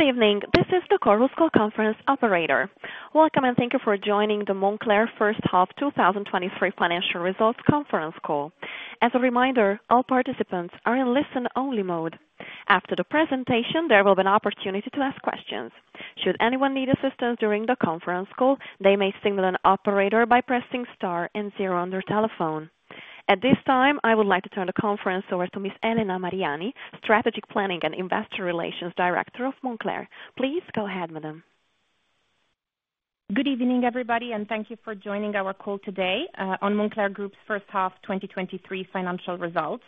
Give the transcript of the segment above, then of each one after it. Good evening. This is the Chorus Call Conference operator. Welcome. Thank you for joining the Moncler first half 2023 financial results conference call. As a reminder, all participants are in listen-only mode. After the presentation, there will be an opportunity to ask questions. Should anyone need assistance during the conference call, they may signal an operator by pressing star zero on their telephone. At this time, I would like to turn the conference over to Ms. Elena Mariani, Strategic Planning and Investor Relations Director of Moncler. Please go ahead, madam. Good evening, everybody, and thank you for joining our call today, on Moncler Group's first half 2023 financial results.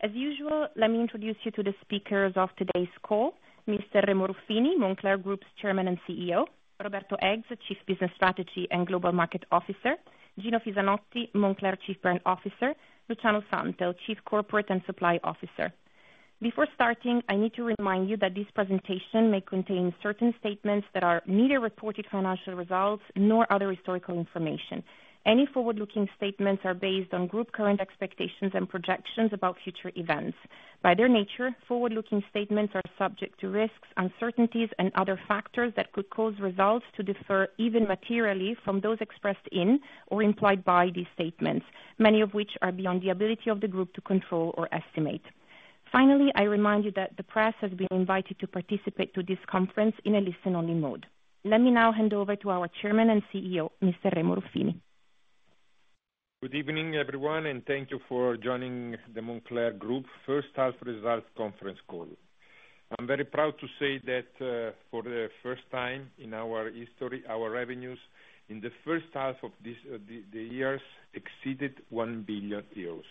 As usual, let me introduce you to the speakers of today's call, Mr. Remo Ruffini, Moncler Group's Chairman and CEO, Roberto Eggs, Chief Business Strategy and Global Market Officer, Gino Fisanotti, Moncler Chief Brand Officer, Luciano Santel, Chief Corporate and Supply Officer. Before starting, I need to remind you that this presentation may contain certain statements that are neither reported financial results nor other historical information. Any forward-looking statements are based on group current expectations and projections about future events. By their nature, forward-looking statements are subject to risks, uncertainties, and other factors that could cause results to differ even materially from those expressed in or implied by these statements, many of which are beyond the ability of the group to control or estimate. Finally, I remind you that the press has been invited to participate to this conference in a listen-only mode. Let me now hand over to our Chairman and CEO, Mr. Remo Ruffini. Good evening, everyone, thank you for joining the Moncler Group first half results conference call. I'm very proud to say that for the first time in our history, our revenues in the first half of the years exceeded 1 billion euros.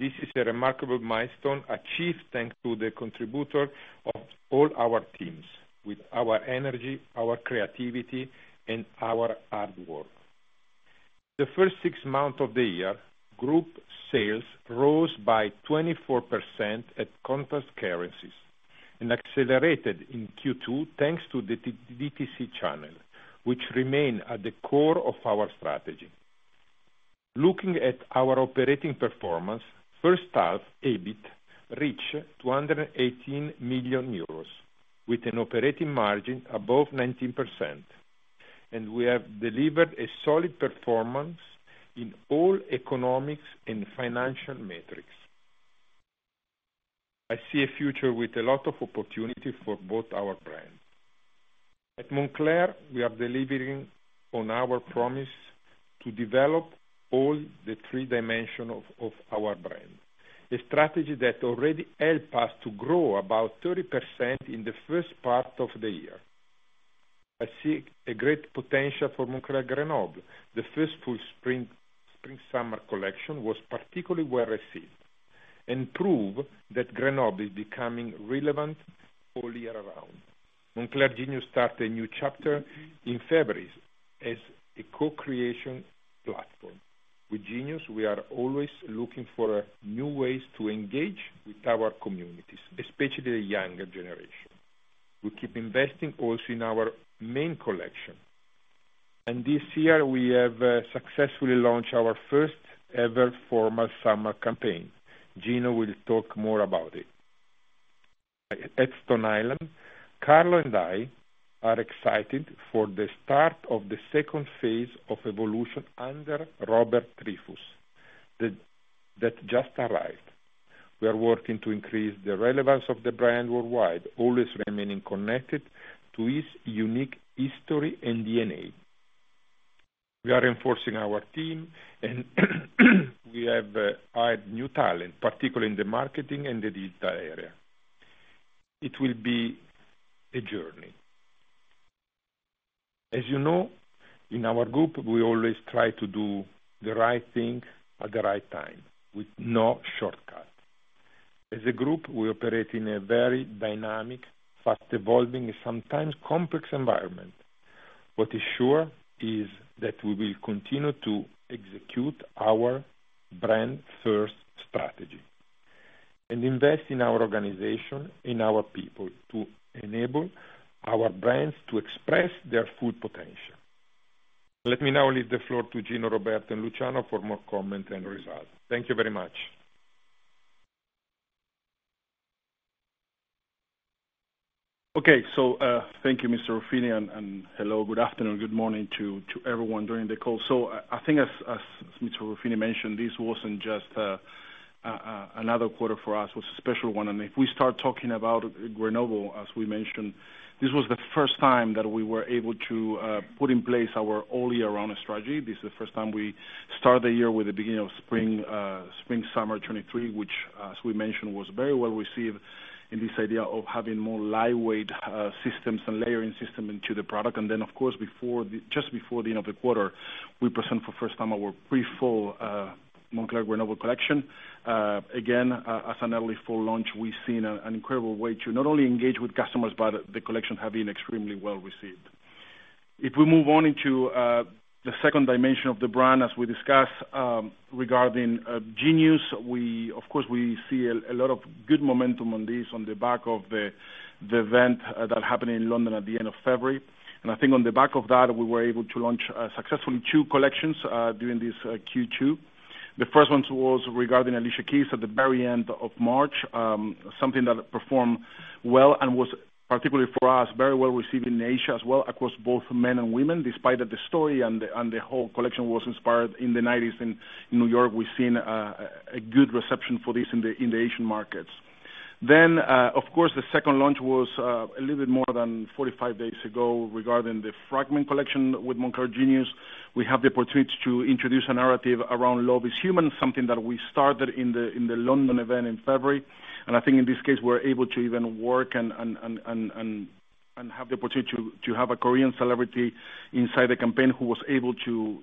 This is a remarkable milestone, achieved thanks to the contributor of all our teams, with our energy, our creativity, and our hard work. The first six months of the year, group sales rose by 24% at contrast currencies and accelerated in Q2, thanks to the DTC channel, which remain at the core of our strategy. Looking at our operating performance, first half, EBIT reached 218 million euros, with an operating margin above 19%, and we have delivered a solid performance in all economics and financial metrics. I see a future with a lot of opportunity for both our brands. At Moncler, we are delivering on our promise to develop all the three dimension of our brand, a strategy that already help us to grow about 30% in the first part of the year. I see a great potential for Moncler Grenoble. The first full spring-summer collection was particularly well received and prove that Grenoble is becoming relevant all year round. Moncler Genius start a new chapter in February as a co-creation platform. With Genius, we are always looking for new ways to engage with our communities, especially the younger generation. We keep investing also in our main collection. This year we have successfully launched our first ever formal summer campaign. Gino will talk more about it. At Stone Island, Carlo and I are excited for the start of the second phase of evolution under Robert Triefus, that just arrived. We are working to increase the relevance of the brand worldwide, always remaining connected to its unique history and DNA. We are enforcing our team, and we have added new talent, particularly in the marketing and the data area. It will be a journey. As you know, in our group, we always try to do the right thing at the right time, with no shortcut. As a group, we operate in a very dynamic, fast-evolving, and sometimes complex environment. What is sure is that we will continue to execute our brand-first strategy and invest in our organization, in our people, to enable our brands to express their full potential. Let me now leave the floor to Gino, Roberto, and Luciano for more comment and results. Thank you very much. Thank you, Mr. Ruffini, and hello, good afternoon, good morning to everyone during the call. I think as Mr. Ruffini mentioned, this wasn't just another quarter for us, it was a special one. If we start talking about Grenoble, as we mentioned, this was the first time that we were able to put in place our all-year-round strategy. This is the first time we start the year with the beginning of spring/summer 2023, which, as we mentioned, was very well received in this idea of having more lightweight systems and layering system into the product. Of course, just before the end of the quarter, we present for first time our pre-fall Moncler Grenoble collection. Again, as an early full launch, we've seen an incredible way to not only engage with customers, but the collection have been extremely well received. If we move on into the second dimension of the brand, as we discussed, regarding Genius, we of course, we see a lot of good momentum on this on the back of the event that happened in London at the end of February. I think on the back of that, we were able to launch successfully two collections during this Q2. The first one was regarding Alicia Keys at the very end of March, something that performed well and was particularly for us, very well received in Asia as well across both men and women, despite that the story and the whole collection was inspired in the '90s, in New York, we've seen a good reception for this in the Asian markets. Of course, the second launch was a little bit more than 45 days ago, regarding the Fragment collection with Moncler Genius. We have the opportunity to introduce a narrative around love is human, something that we started in the London event in February. I think in this case, we're able to even work and have the opportunity to have a Korean celebrity inside the campaign who was able to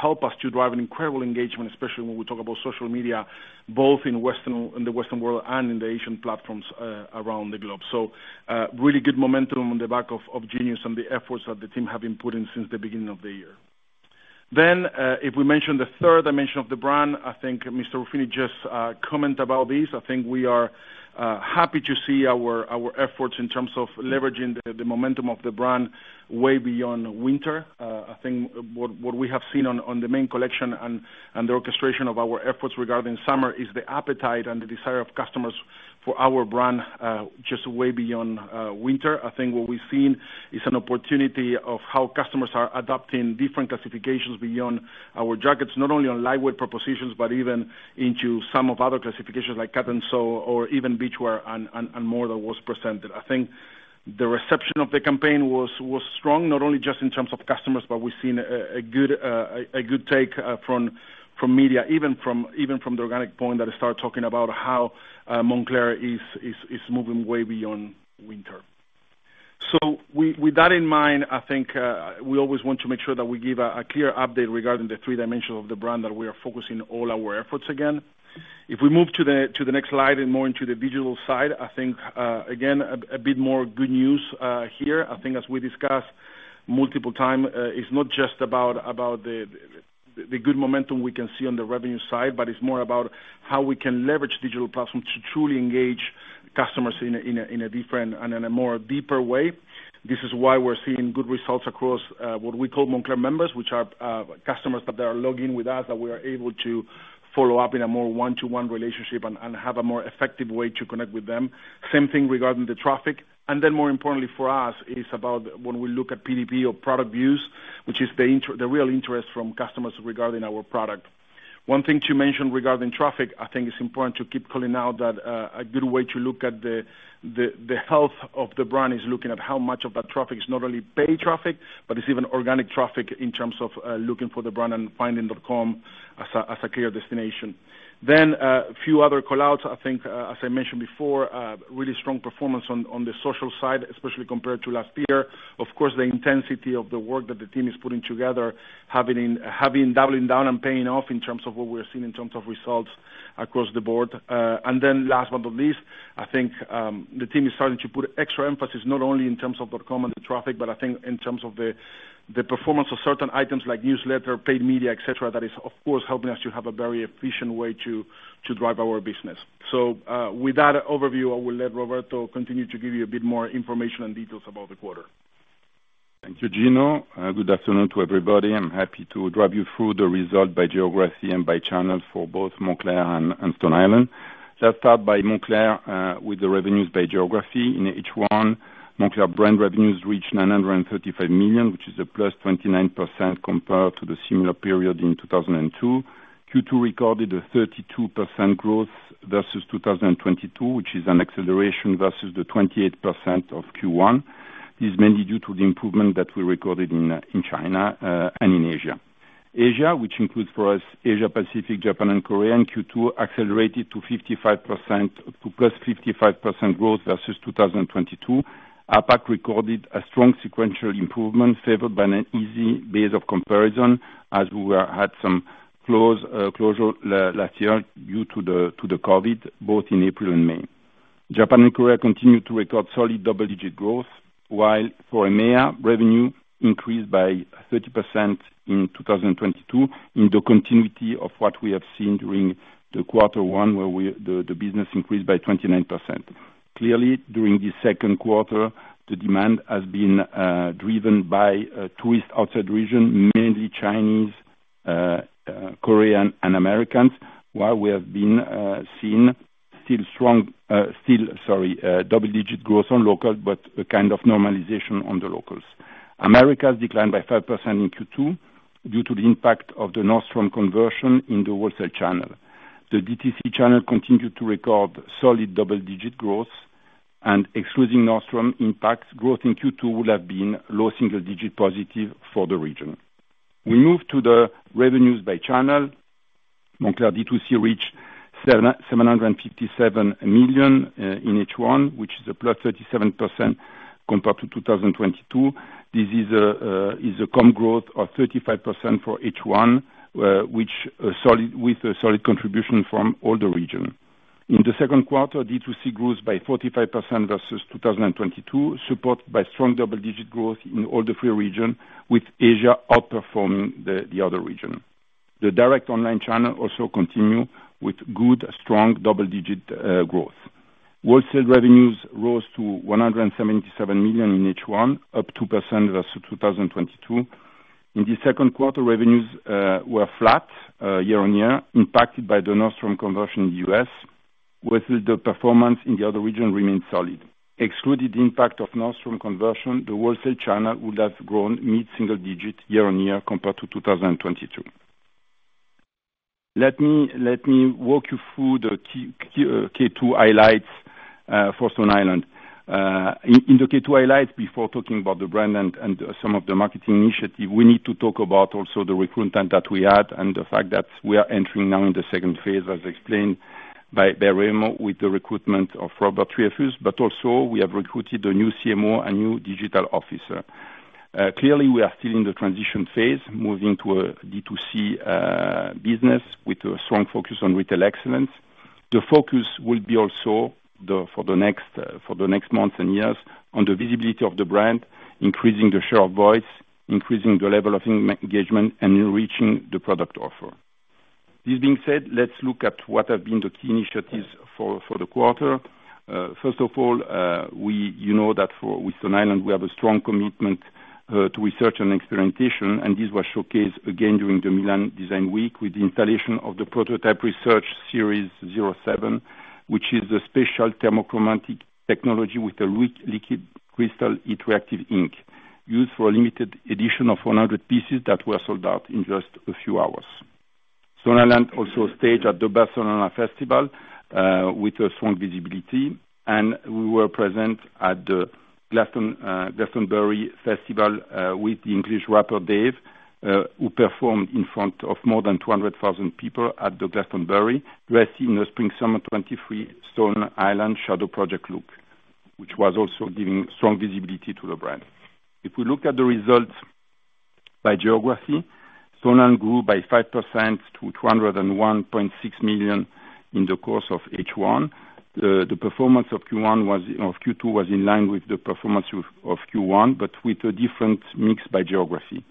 help us to drive an incredible engagement, especially when we talk about social media, both in Western, in the Western world and in the Asian platforms around the globe. Really good momentum on the back of Genius and the efforts that the team have been putting since the beginning of the year. If we mention the third dimension of the brand, I think Mr. Ruffini just comment about this. I think we are happy to see our efforts in terms of leveraging the momentum of the brand way beyond winter. I think what we have seen on the main collection and the orchestration of our efforts regarding summer is the appetite and the desire of customers for our brand, just way beyond winter. I think what we've seen is an opportunity of how customers are adopting different classifications beyond our jackets, not only on lightweight propositions, but even into some of other classifications like cut and sew or even beachwear and more that was presented. I think the reception of the campaign was strong, not only just in terms of customers, but we've seen a good take from media, even from the organic point that started talking about how Moncler is moving way beyond winter. With that in mind, I think, we always want to make sure that we give a clear update regarding the three dimensions of the brand that we are focusing all our efforts again. If we move to the next slide and more into the digital side, I think, again, a bit more good news here. I think as we discussed multiple time, it's not just about the good momentum we can see on the revenue side, but it's more about how we can leverage digital platforms to truly engage customers in a different and in a more deeper way. This is why we're seeing good results across what we call Moncler members, which are customers that are logging with us, that we are able to follow up in a more one-to-one relationship and have a more effective way to connect with them. Same thing regarding the traffic. More importantly for us, is about when we look at PDP or product views, which is the real interest from customers regarding our product. One thing to mention regarding traffic, I think it's important to keep calling out that a good way to look at the health of the brand is looking at how much of that traffic is not only paid traffic, but it's even organic traffic in terms of looking for the brand and finding the com as a clear destination. A few other call-outs. I think, as I mentioned before, really strong performance on the social side, especially compared to last year. Of course, the intensity of the work that the team is putting together, having been doubling down and paying off in terms of what we are seeing in terms of results across the board. Last but not least, I think, the team is starting to put extra emphasis, not only in terms of the com and the traffic, but I think in terms of the performance of certain items like newsletter, paid media, et cetera, that is, of course, helping us to have a very efficient way to drive our business. With that overview, I will let Roberto continue to give you a bit more information and details about the quarter. Thank you, Gino. Good afternoon to everybody. I'm happy to drive you through the result by geography and by channels for both Moncler and Stone Island. Let's start by Moncler, with the revenues by geography. In the H1, Moncler brand revenues reached 935 million, which is a +29% compared to the similar period in 2002. Q2 recorded a 32% growth versus 2022, which is an acceleration versus the 28% of Q1, is mainly due to the improvement that we recorded in China and in Asia. Asia, which includes for us, Asia Pacific, Japan, and Korea, in Q2, accelerated to 55%, to +55% growth versus 2022. APAC recorded a strong sequential improvement, favored by an easy base of comparison, as we had some close closure last year due to the COVID, both in April and May. Japan and Korea continued to record solid double-digit growth, while for EMEA, revenue increased by 30% in 2022, in the continuity of what we have seen during quarter one, where the business increased by 29%. During second quarter, the demand has been driven by tourist outside region, mainly Chinese, Korean and Americans, while we have been seen still strong, still, sorry, double-digit growth on local, but a kind of normalization on the locals. Americas declined by 5% in Q2 due to the impact of the Nordstrom conversion in the wholesale channel. The DTC channel continued to record solid double-digit growth, and excluding Nordstrom impacts, growth in Q2 would have been low single digit positive for the region. We move to the revenues by channel. Moncler D2C reached 757 million in H1, which is a +37% compared to 2022. This is a comp growth of 35% for H1, with a solid contribution from all the region. In the second quarter, D2C grows by 45% versus 2022, supported by strong double-digit growth in all the three region, with Asia outperforming the other region. The direct online channel also continue with good, strong, double-digit growth. Wholesale revenues rose to 177 million in H1, up 2% versus 2022. In the second quarter, revenues were flat year-on-year, impacted by the Nordstrom conversion in the US, with the performance in the other region remained solid. Excluded impact of Nordstrom conversion, the wholesale China would have grown mid-single digit year-on-year compared to 2022. Let me walk you through the Q2 highlights for Stone Island. In the Q2 highlights, before talking about the brand and some of the marketing initiative, we need to talk about also the recruitment that we had and the fact that we are entering now in the second phase, as explained by Remo, with the recruitment of Robert Triefus, but also we have recruited a new CMO, a new digital officer. Clearly, we are still in the transition phase, moving to a D2C business with a strong focus on retail excellence. The focus will be also the, for the next month and years on the visibility of the brand, increasing the share of voice, increasing the level of engagement, and in reaching the product offer. This being said, let's look at what have been the key initiatives for the quarter. First of all, you know that with Stone Island, we have a strong commitment to research and experimentation, and this was showcased again during the Milan Design Week with the installation of the Prototype Research_Series 07, which is a special thermochromic technology with a liquid crystal interactive ink, used for a limited edition of 100 pieces that were sold out in just a few hours. Stone Island also staged at the Barcelona Festival with a strong visibility. We were present at the Glastonbury Festival with the English rapper, Dave, who performed in front of more than 200,000 people at the Glastonbury, dressed in the spring/summer 2023 Stone Island Shadow Project look, which was also giving strong visibility to the brand. If we look at the results by geography, Stone Island grew by 5% to 201.6 million in the course of H1. The performance of Q2 was in line with the performance of Q1, but with a different mix by geography.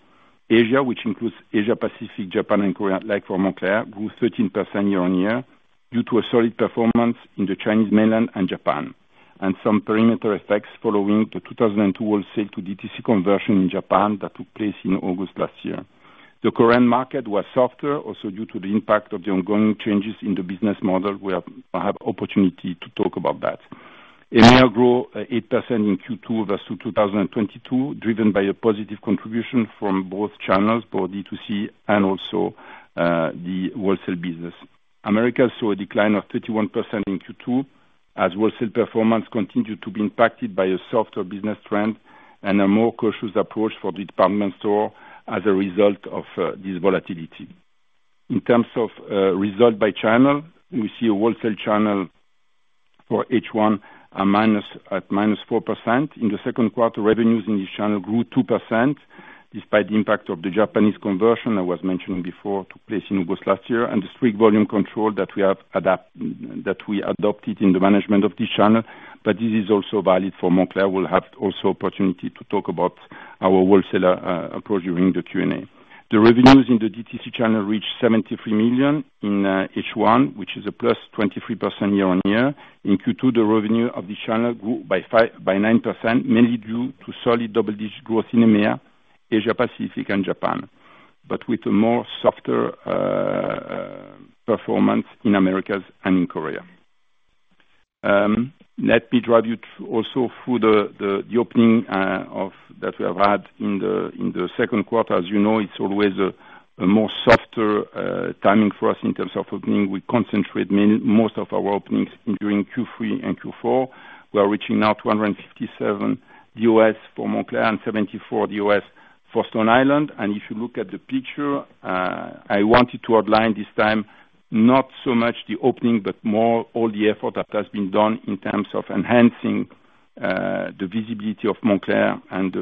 Asia, which includes Asia Pacific, Japan, and Korea, like for Moncler, grew 13% year-on-year, due to a solid performance in the Chinese mainland and Japan, and some perimeter effects following the 2002 wholesale to DTC conversion in Japan that took place in August last year. The Korean market was softer, also due to the impact of the ongoing changes in the business model. I have opportunity to talk about that. EMEA grew 8% in Q2 versus 2022, driven by a positive contribution from both channels, both D2C and also the wholesale business. Americas saw a decline of 31% in Q2, as wholesale performance continued to be impacted by a softer business trend and a more cautious approach for the department store as a result of this volatility. In terms of result by channel, we see a wholesale channel for H1, a minus, at -4%. In the second quarter, revenues in this channel grew 2%, despite the impact of the Japanese conversion that was mentioned before, took place in August last year, and the strict volume control that we adopted in the management of this channel. This is also valid for Moncler. We'll have also opportunity to talk about our wholesaler approach during the Q&A. The revenues in the DTC channel reached 73 million in H1, which is a +23% year-on-year. In Q2, the revenue of the channel grew by 9%, mainly due to solid double-digit growth in EMEA, Asia, Pacific, and Japan, but with a more softer performance in Americas and in Korea. Let me drive you also through the opening that we have had in the second quarter. As you know, it's always a more softer timing for us in terms of opening. We concentrate most of our openings during Q3 and Q4. We are reaching now 257 US for Moncler and 74 US for Stone Island. If you look at the picture, I wanted to outline this time, not so much the opening, but more all the effort that has been done in terms of enhancing the visibility of Moncler and the,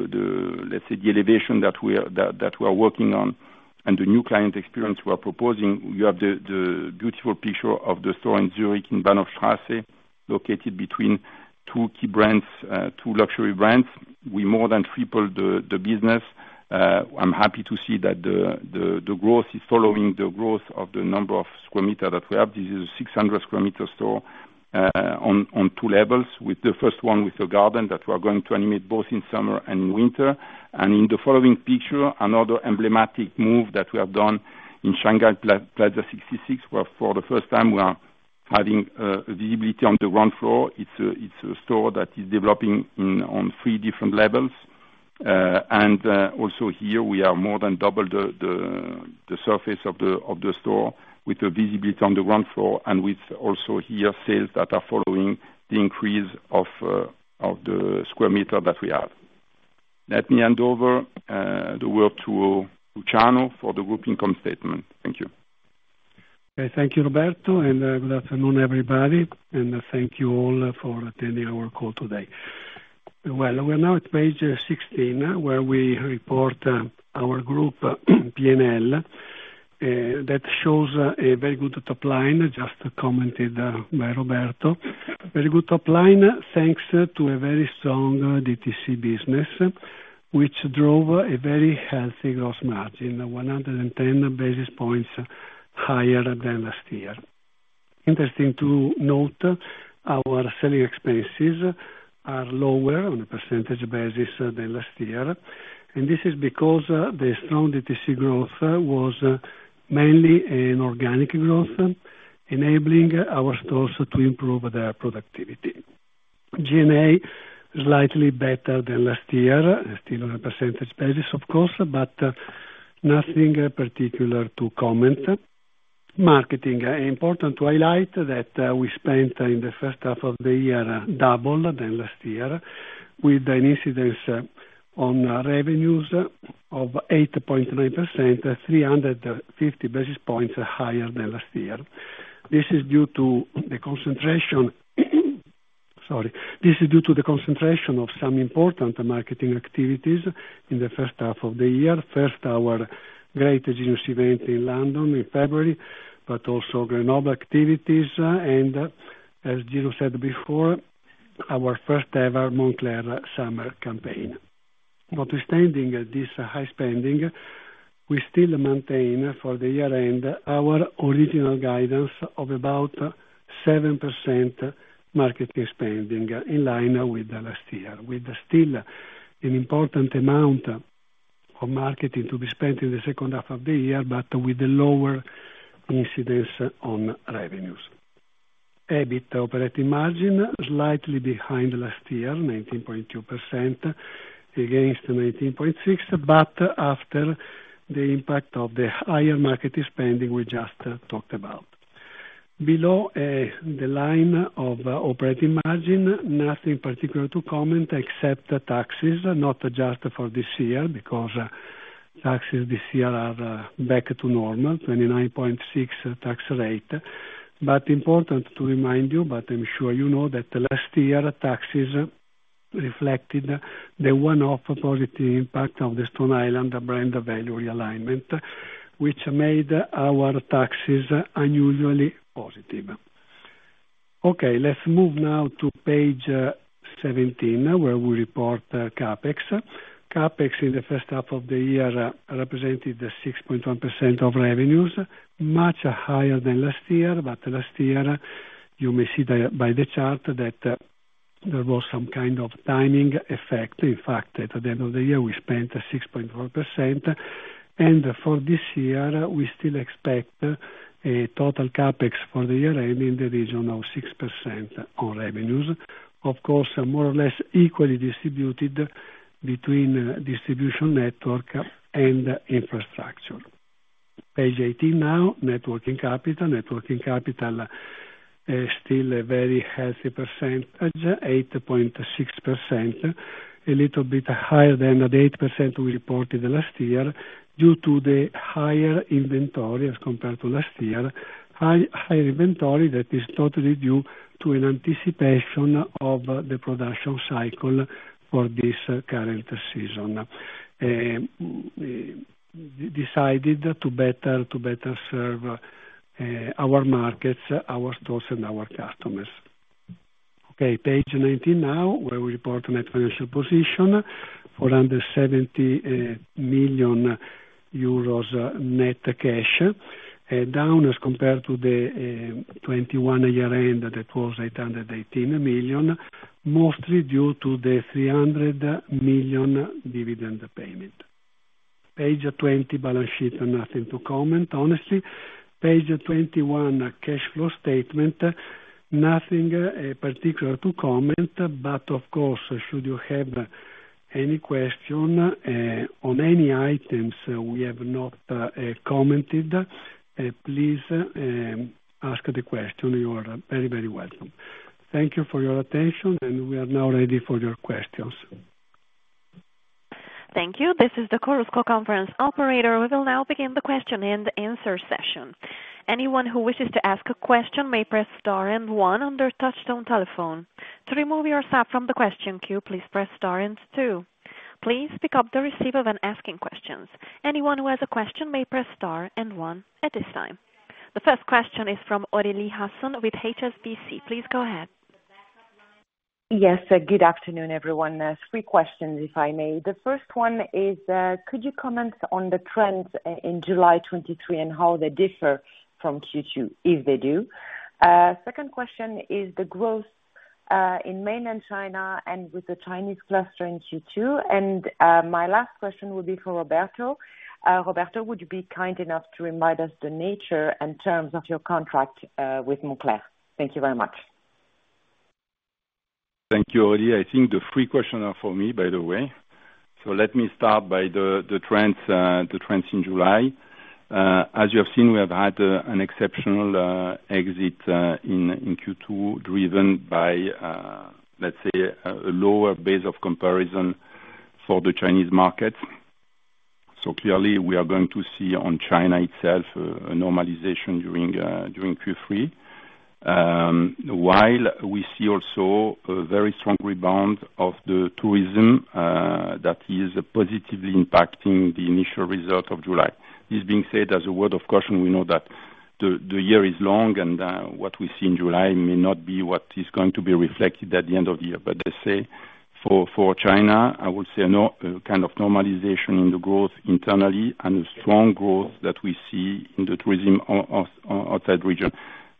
let's say, the elevation that we are working on, and the new client experience we are proposing. We have the beautiful picture of the store in Zurich, in Bahnhofstrasse, located between two key brands, two luxury brands. We more than tripled the business. I'm happy to see that the growth is following the growth of the number of square meter that we have. This is a 600 square meter store on two levels, with the first one with a garden, that we are going to animate both in summer and in winter. In the following picture, another emblematic move that we have done in Shanghai Plaza 66, where for the first time, we are having visibility on the ground floor. It's a store that is developing on three different levels. Also here we are more than double the surface of the store, with the visibility on the ground floor and with also here, sales that are following the increase of the square meter that we have. Let me hand over the word to Luciano for the group income statement. Thank you. Thank you, Roberto. Good afternoon, everybody, and thank you all for attending our call today. We're now at page 16, where we report our group PNL that shows a very good top line, just commented by Roberto. Very good top line, thanks to a very strong DTC business, which drove a very healthy gross margin, 110 basis points higher than last year. Interesting to note, our selling expenses are lower on a percentage basis than last year. This is because the strong DTC growth was mainly an organic growth, enabling our stores to improve their productivity. G&A, slightly better than last year, still on a percentage basis of course. Nothing particular to comment. Marketing, important to highlight that we spent in the first half of the year, double than last year, with an incidence on revenues of 8.9%, 350 basis points higher than last year. This is due to the concentration, sorry. This is due to the concentration of some important marketing activities in the first half of the year. First, our great Genius event in London in February, but also Moncler Grenoble activities, and as Gino said before, our first ever Moncler summer campaign. Notwithstanding this high spending, we still maintain for the year-end, our original guidance of about 7% marketing spending, in line with the last year, with still an important amount of marketing to be spent in the second half of the year, but with the lower incidence on revenues. EBIT operating margin, slightly behind last year, 19.2% against 19.6%, but after the impact of the higher market spending we just talked about. Below the line of operating margin, nothing particular to comment except the taxes, not adjusted for this year, because taxes this year are back to normal, 29.6 tax rate. Important to remind you, but I'm sure you know, that the last year taxes reflected the one-off positive impact of the Stone Island brand value alignment, which made our taxes unusually positive. Okay, let's move now to page 17, where we report CapEx. CapEx in the first half of the year, represented 6.1% of revenues, much higher than last year, but last year, you may see the, by the chart that, there was some kind of timing effect. In fact, at the end of the year, we spent 6.4%. For this year, we still expect a total CapEx for the year end in the region of 6% on revenues. Of course, more or less equally distributed between distribution network and infrastructure. Page 18 now, networking capital. Networking capital is still a very healthy percentage, 8.6%, a little bit higher than the 8% we reported last year, due to the higher inventory as compared to last year. Higher inventory that is totally due to an anticipation of the production cycle for this current season, decided to better serve our markets, our stores, and our customers. Page 19 now, where we report net financial position, 470 million euros net cash, down as compared to the 2021 year end, that was 818 million, mostly due to the 300 million dividend payment. Page 20, balance sheet, nothing to comment, honestly. Page 21, cash flow statement, nothing particular to comment, but of course, should you have any question on any items we have not commented, please ask the question. You are very, very welcome. Thank you for your attention. We are now ready for your questions. Thank you. This is the Chorus Call Conference operator. We will now begin the question and answer session. Anyone who wishes to ask a question may press star and one on their touchtone telephone. To remove yourself from the question queue, please press star and two. Please pick up the receiver when asking questions. Anyone who has a question may press star and one at this time. The first question is from Aurélie Hassan with HSBC. Please go ahead. Yes, good afternoon, everyone. three questions, if I may. The first one is, could you comment on the trends in July 2023, and how they differ from Q2, if they do? Second question is the growth in mainland China and with the Chinese cluster in Q2. My last question will be for Roberto. Roberto, would you be kind enough to remind us the nature and terms of your contract with Moncler? Thank you very much. Thank you, Aurélie. I think the three question are for me, by the way. Let me start by the trends, the trends in July. As you have seen, we have had an exceptional exit in Q2, driven by let's say, a lower base of comparison for the Chinese market. Clearly, we are going to see on China itself, a normalization during Q3. While we see also a very strong rebound of the tourism that is positively impacting the initial result of July. This being said, as a word of caution, we know that the year is long, and what we see in July may not be what is going to be reflected at the end of the year, let's say. For China, I would say a kind of normalization in the growth internally, and a strong growth that we see in the tourism outside region.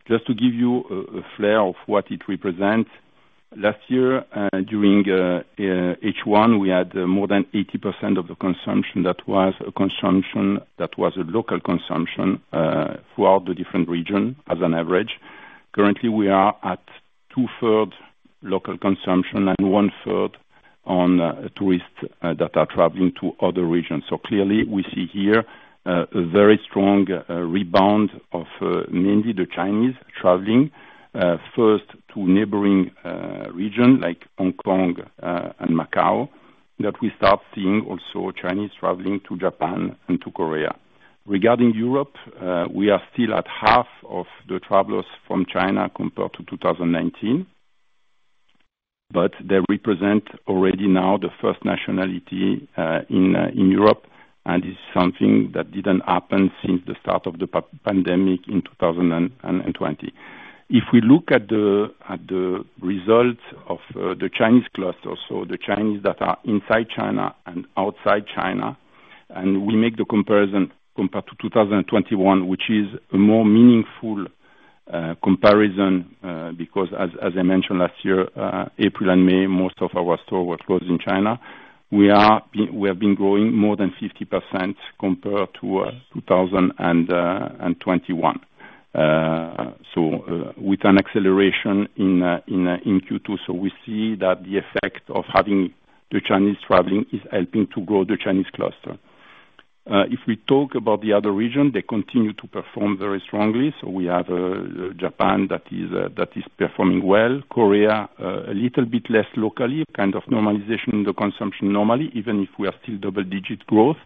Just to give you a flare of what it represents, last year, during H1, we had more than 80% of the consumption that was a local consumption throughout the different region, as an average. Currently, we are at two-thirds local consumption and one-third on tourists that are traveling to other regions. Clearly, we see here a very strong rebound of mainly the Chinese traveling first to neighboring region like Hong Kong and Macau, that we start seeing also Chinese traveling to Japan and to Korea. Regarding Europe, we are still at half of the travelers from China compared to 2019, but they represent already now the first nationality in Europe, and it's something that didn't happen since the start of the pandemic in 2020. We look at the results of the Chinese cluster, so the Chinese that are inside China and outside China, and we make the comparison compared to 2021, which is a more meaningful comparison, because as I mentioned last year, April and May, most of our stores were closed in China. We have been growing more than 50% compared to 2021. With an acceleration in Q2, we see that the effect of having the Chinese traveling is helping to grow the Chinese cluster. If we talk about the other region, they continue to perform very strongly. We have Japan, that is performing well. Korea, a little bit less locally, kind of normalization in the consumption normally, even if we are still double-digit growth,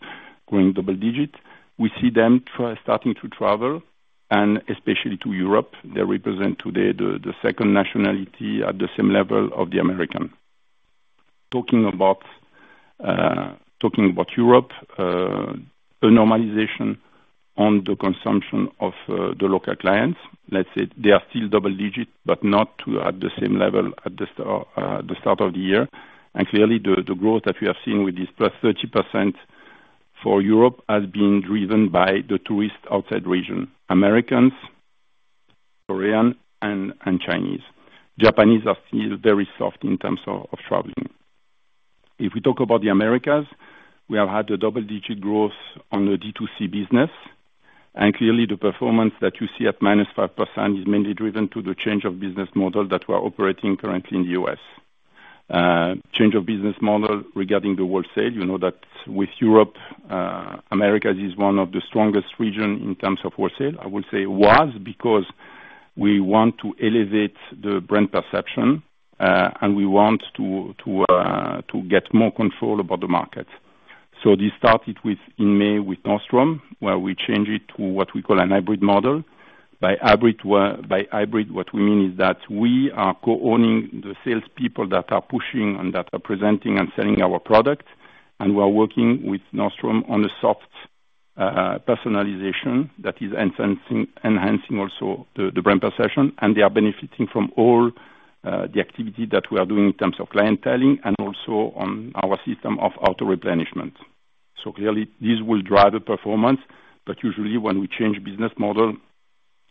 growing double-digit. We see them starting to travel, and especially to Europe. They represent today the second nationality at the same level of the American. Talking about Europe, a normalization on the consumption of the local clients. Let's say they are still double-digit, but not to at the same level at the start of the year. Clearly, the growth that we have seen with this +30% for Europe, has been driven by the tourists outside region, Americans, Korean, and Chinese. Japanese are still very soft in terms of traveling. If we talk about the Americas, we have had a double-digit growth on the D2C business, clearly the performance that you see at -5% is mainly driven to the change of business model that we are operating currently in the US Change of business model regarding the wholesale, you know that with Europe, Americas is one of the strongest region in terms of wholesale. I would say was, because we want to elevate the brand perception, and we want to get more control about the market. This started with, in May with Nordstrom, where we change it to what we call a hybrid model. By hybrid, what we mean is that we are co-owning the salespeople that are pushing and that are presenting and selling our product, and we are working with Nordstrom on a soft personalization that is enhancing also the brand perception. They are benefiting from all the activity that we are doing in terms of clienteling and also on our system of auto-replenishment. Clearly, this will drive the performance, but usually when we change business model,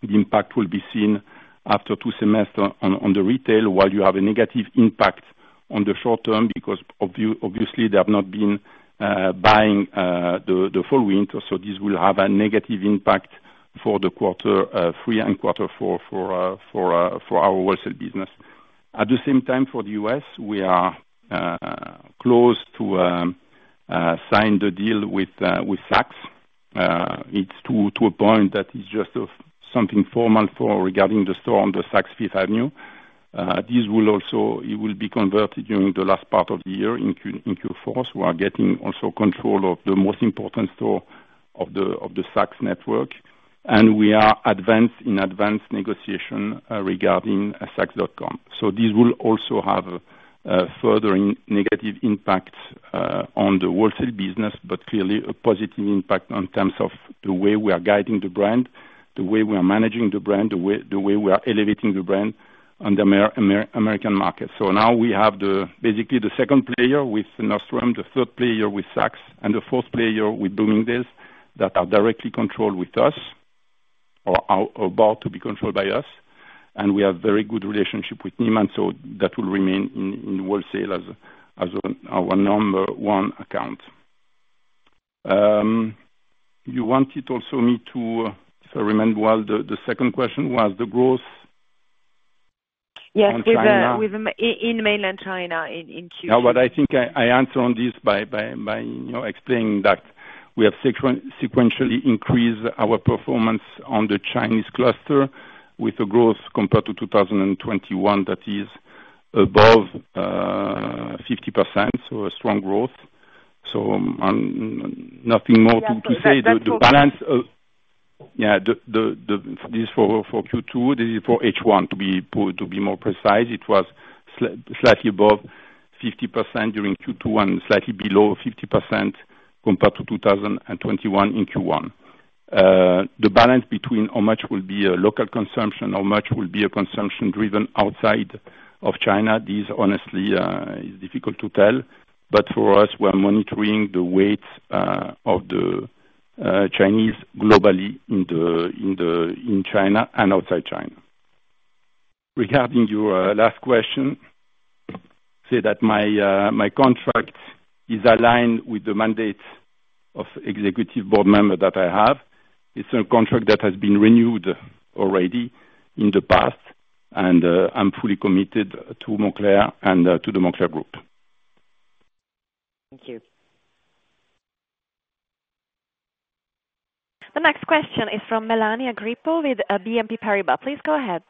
the impact will be seen after two semesters on the retail, while you have a negative impact on the short term, because obviously, they have not been buying the full winter, so this will have a negative impact for the quarter three and quarter four for our wholesale business. At the same time, for the US, we are close to sign the deal with Saks. It's to a point that is just of something formal regarding the store on the Saks Fifth Avenue. This will also, it will be converted during the last part of the year in Q4. We are getting also control of the most important store of the Saks network, and we are advanced negotiation regarding Saks.com. This will also have further in negative impact on the wholesale business, but clearly a positive impact in terms of the way we are guiding the brand, the way we are managing the brand, the way we are elevating the brand on the American market. Now we have the, basically the second player with Nordstrom, the third player with Saks, and the fourth player with Bloomingdale's, that are directly controlled with us or are about to be controlled by us. We have very good relationship with Neiman, that will remain in wholesale as our number one account. You wanted also me to. Remind what the second question was. Yes. In China. With the, in mainland China, in Q2. What I think I answer on this by, you know, explaining that we have sequentially increased our performance on the Chinese cluster with a growth compared to 2021, that is above 50%, so a strong growth. Nothing more to say. Yeah, but that's okay. The balance of... Yeah, the this for Q2, this is for H1, to be more precise. It was slightly above 50% during Q2, and slightly below 50% compared to 2021 in Q1. ... the balance between how much will be a local consumption, how much will be a consumption driven outside of China, this honestly is difficult to tell. For us, we're monitoring the weight of the Chinese globally in China and outside China. Regarding your last question, say that my contract is aligned with the mandate of executive board member that I have. It's a contract that has been renewed already in the past, and I'm fully committed to Moncler and to the Moncler Group. Thank you. The next question is from Melania Grippo with BNP Paribas. Please go ahead.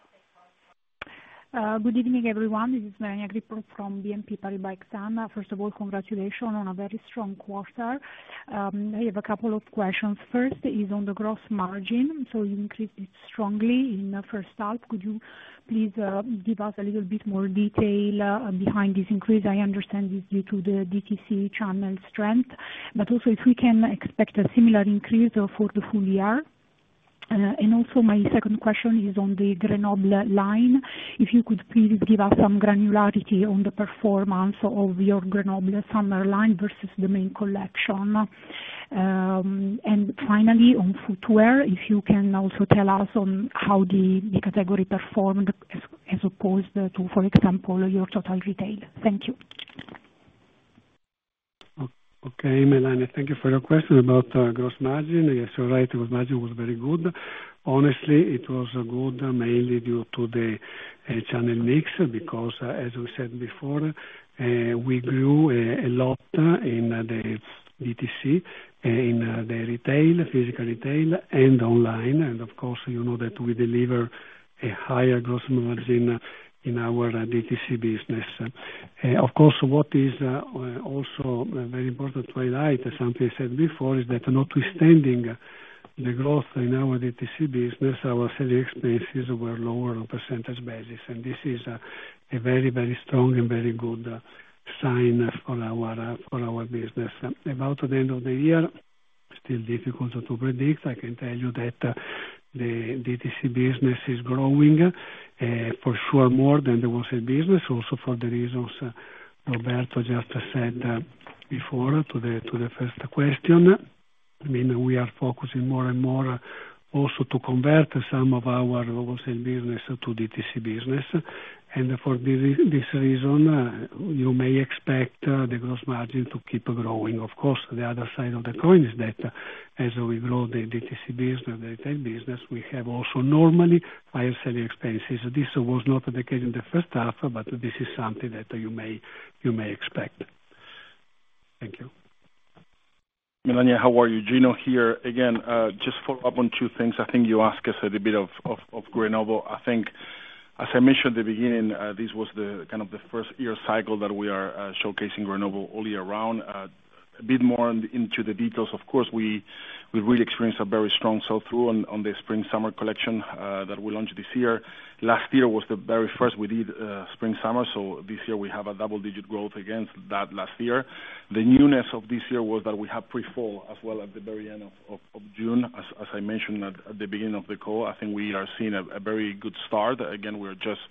Good evening, everyone. This is Melania Grippo from BNP Paribas Exane. First of all, congratulations on a very strong quarter. I have a couple of questions. First, is on the gross margin. You increased it strongly in the first half. Could you please give us a little bit more detail behind this increase? I understand it's due to the DTC channel strength, also, if we can expect a similar increase for the full year. My second question is on the Grenoble line. If you could please give us some granularity on the performance of your Grenoble summer line versus the main collection. Finally, on footwear, if you can also tell us on how the category performed as opposed to, for example, your total retail? Thank you. Okay, Melania, thank you for your question about gross margin. You're right, gross margin was very good. Honestly, it was good, mainly due to the channel mix, because, as we said before, we grew a lot in the DTC, in the retail, physical retail and online. Of course, you know that we deliver a higher gross margin in our DTC business. Of course, what is also very important to highlight, as Anthony said before, is that notwithstanding the growth in our DTC business, our selling expenses were lower on percentage basis, and this is a very, very strong and very good sign for our business. About the end of the year, still difficult to predict. I can tell you that the DTC business is growing for sure, more than the wholesale business, also for the reasons Roberto just said before to the first question. I mean, we are focusing more and more also to convert some of our wholesale business to DTC business. For this reason, you may expect the gross margin to keep growing. Of course, the other side of the coin is that as we grow the DTC business, the retail business, we have also normally higher selling expenses. This was not the case in the first half, but this is something that you may expect. Thank you. Melania, how are you? Gino here. Again, just follow up on two things. I think you asked us a little bit of Grenoble. I think, as I mentioned at the beginning, this was the kind of the first year cycle that we are showcasing Grenoble all year round. A bit more into the details, of course, we really experienced a very strong sell-through on the spring-summer collection that we launched this year. Last year was the very first we did spring-summer, so this year we have a double-digit growth against that last year. The newness of this year was that we have pre-fall as well, at the very end of June, as I mentioned at the beginning of the call. I think we are seeing a very good start. Again, we're just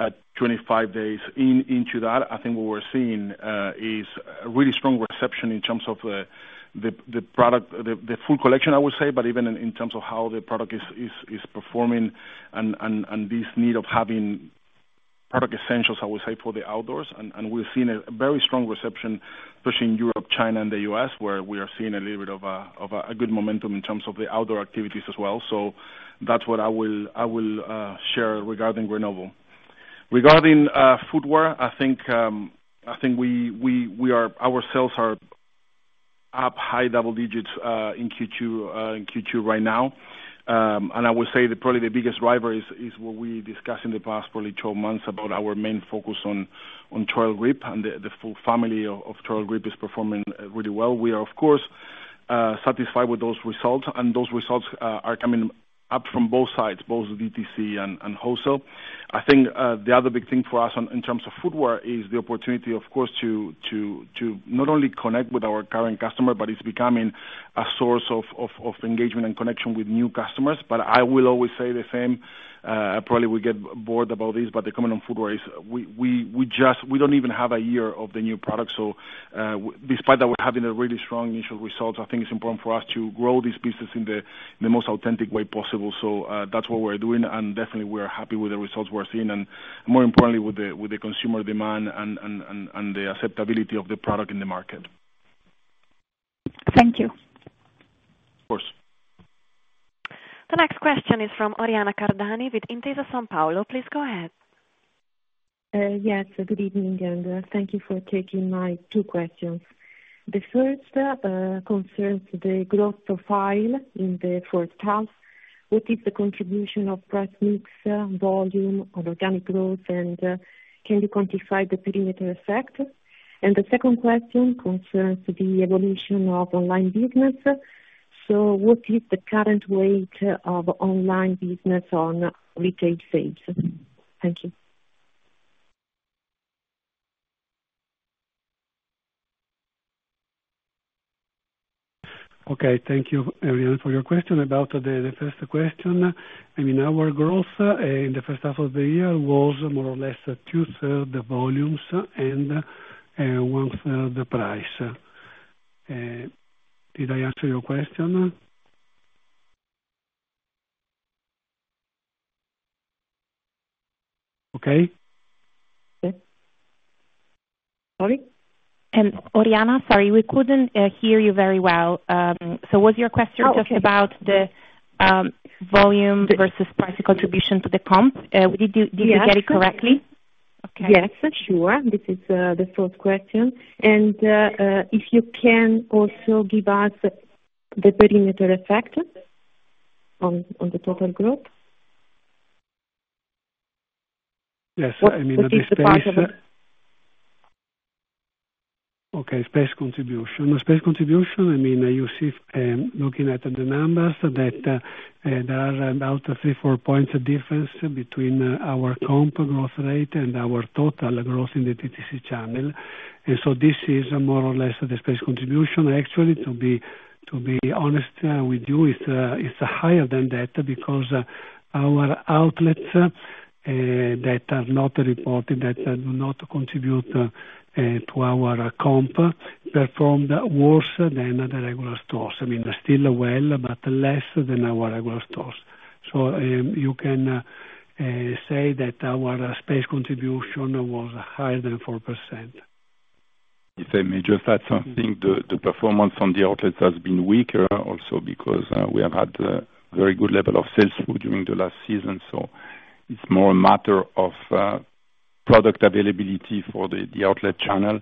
at 25 days in, into that. I think what we're seeing is a really strong reception in terms of the product, the full collection, I would say. Even in terms of how the product is, is performing and, and this need of having product essentials, I would say, for the outdoors. We're seeing a very strong reception, especially in Europe, China and the US, where we are seeing a little bit of a, of a good momentum in terms of the outdoor activities as well. That's what I will, I will share regarding Grenoble. Regarding footwear, I think, I think our sales are up high double digits in Q2, in Q2 right now. I would say that probably the biggest driver is what we discussed in the past probably 12 months about our main focus on Trailgrip, and the full family of Trailgrip is performing really well. We are, of course, satisfied with those results, and those results are coming up from both sides, both DTC and wholesale. I think the other big thing for us in terms of footwear is the opportunity, of course, to not only connect with our current customer, but it's becoming a source of engagement and connection with new customers. I will always say the same, probably will get bored about this, but the comment on footwear is we don't even have a year of the new product. Despite that we're having a really strong initial results, I think it's important for us to grow this business in the most authentic way possible. That's what we're doing, and definitely we are happy with the results we're seeing, and more importantly, with the consumer demand and the acceptability of the product in the market. Thank you. Of course. The next question is from Oriana Cardani with Intesa Sanpaolo. Please go ahead. Yes, good evening, and thank you for taking my two questions. The first concerns the growth profile in the first half. What is the contribution of price mix, volume of organic growth, and can you quantify the perimeter effect? The second question concerns the evolution of online business. What is the current weight of online business on retail sales? Thank you. Okay, thank you, Oriana, for your question. About the first question, I mean, our growth in the first half of the year was more or less two-third the volumes and one-third the price. Did I answer your question? Okay. Sorry? Oriana, sorry, we couldn't hear you very well. Was your question? Oh, okay. just about the, volume versus price contribution to the comp? Did we get it correctly? Yes. Okay. Yes, sure. This is the first question. If you can also give us the perimeter effect on the total growth. Yes, I mean, on the space- The first part of it. Okay, space contribution. Space contribution, I mean, you see, looking at the numbers, that there are about three, four points of difference between our comp growth rate and our total growth in the DTC channel. This is more or less the space contribution. Actually, to be honest with you, it's higher than that because our outlets that are not reported, that do not contribute to our comp, performed worse than the regular stores. I mean, still well, but less than our regular stores. You can say that our space contribution was higher than 4%. If I may just add something, the performance on the outlets has been weaker also because we have had a very good level of sales during the last season. It's more a matter of product availability for the outlet channel,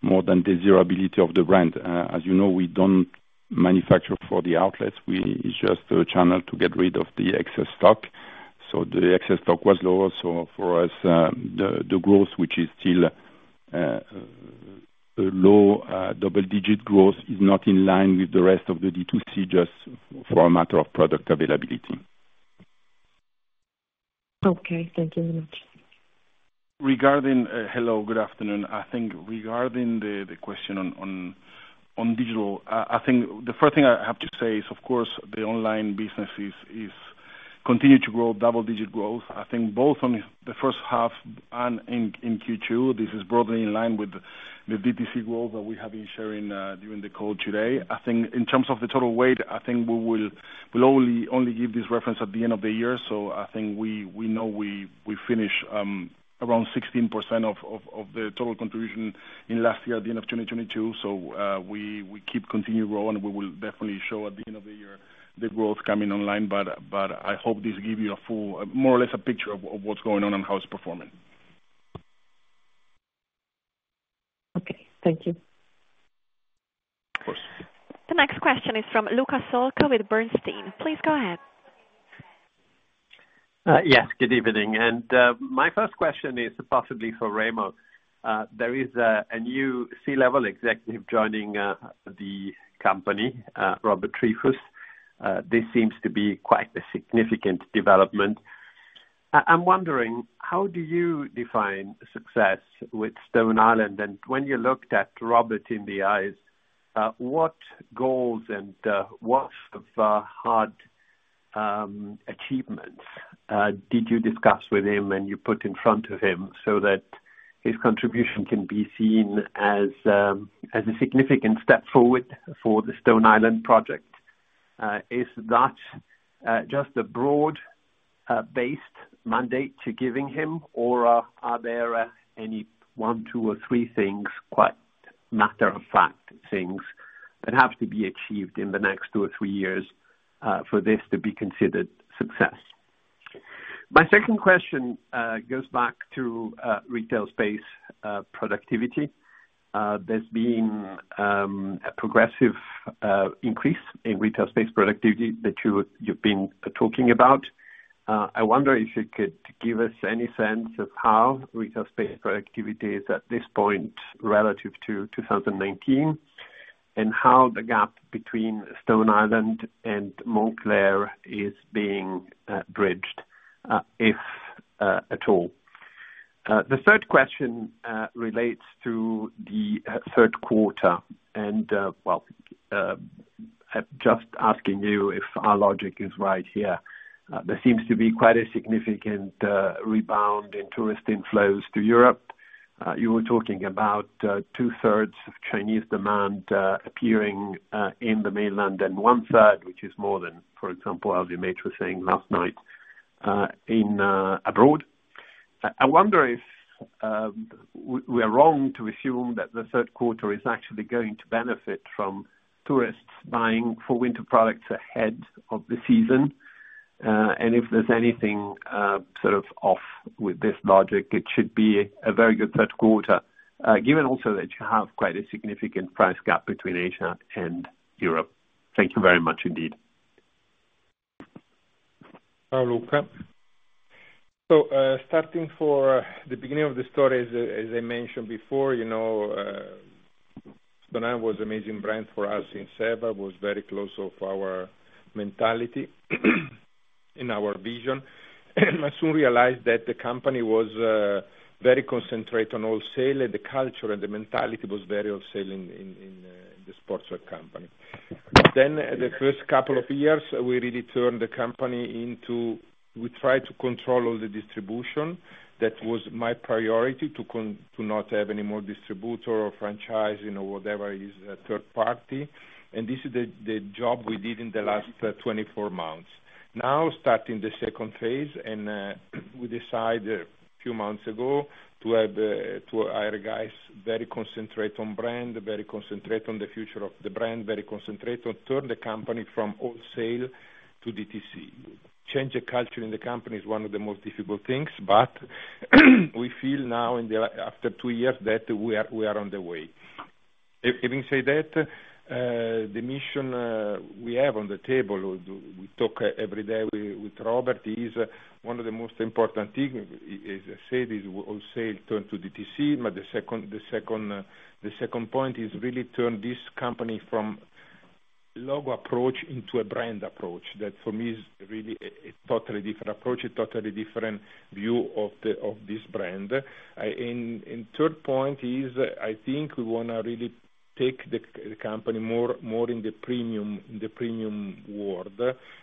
more than the desirability of the brand. As you know, we don't manufacture for the outlets. It's just a channel to get rid of the excess stock. The excess stock was lower. For us, the growth, which is still a low double-digit growth, is not in line with the rest of the D2C, just for a matter of product availability. Okay, thank you very much. Hello, good afternoon. Regarding the question on digital, the first thing I have to say is, of course, the online business is continue to grow, double-digit growth. Both on the first half and in Q2, this is broadly in line with the DTC growth that we have been sharing during the call today. In terms of the total weight, we'll only give this reference at the end of the year. We know we finish around 16% of the total contribution in last year, at the end of 2022. We keep continuing to grow, and we will definitely show at the end of the year the growth coming online. I hope this give you a full, more or less a picture of what's going on and how it's performing. Okay, thank you. Of course. The next question is from Luca Solca with Bernstein. Please go ahead. Yes, good evening. My first question is possibly for Remo. There is a new C-level executive joining the company, Robert Triefus. This seems to be quite a significant development. I'm wondering, how do you define success with Stone Island? When you looked at Robert in the eyes, what goals and what hard achievements did you discuss with him and you put in front of him so that his contribution can be seen as a significant step forward for the Stone Island project? Is that just a broad based mandate to giving him? Are there any one, two or three things, quite matter of fact things, that have to be achieved in the next two or three years for this to be considered success? My second question goes back to retail space productivity. There's been a progressive increase in retail space productivity that you've been talking about. I wonder if you could give us any sense of how retail space productivity is at this point relative to 2019, and how the gap between Stone Island and Moncler is being bridged, if at all. The third question relates to the third quarter, well, just asking you if our logic is right here. There seems to be quite a significant rebound in tourist inflows to Europe. You were talking about 2/3 of Chinese demand appearing in the mainland, 1/3, which is more than, for example, LVMH was saying last night, in abroad? I wonder if, we're wrong to assume that the third quarter is actually going to benefit from tourists buying for winter products ahead of the season, if there's anything, sort of off with this logic, it should be a very good third quarter, given also that you have quite a significant price gap between Asia and Europe? Thank you very much indeed. Hi, Luca. starting for the beginning of the story, as I mentioned before, you know, Stone Island was amazing brand for us in, was very close of our mentality. in our vision. I soon realized that the company was, very concentrated on all sale, and the culture and the mentality was very off sale in the sportswear company. The first couple of years, we really turned the company. We tried to control all the distribution. That was my priority, to not have any more distributor or franchise, you know, whatever is a third party. This is the job we did in the last 24 months. Starting the second phase, we decide a few months ago to have, to hire guys very concentrated on brand, very concentrated on the future of the brand, very concentrated on turn the company from wholesale to DTC. Change the culture in the company is one of the most difficult things, but we feel now in the, after two years, that we are on the way. Having said that, the mission we have on the table, we talk every day with Robert, is one of the most important thing is, as I said, is wholesale turn to DTC, but the second point is really turn this company from logo approach into a brand approach. That, for me, is really a totally different approach, a totally different view of this brand. Third point is, I think we wanna really take the company more in the premium world.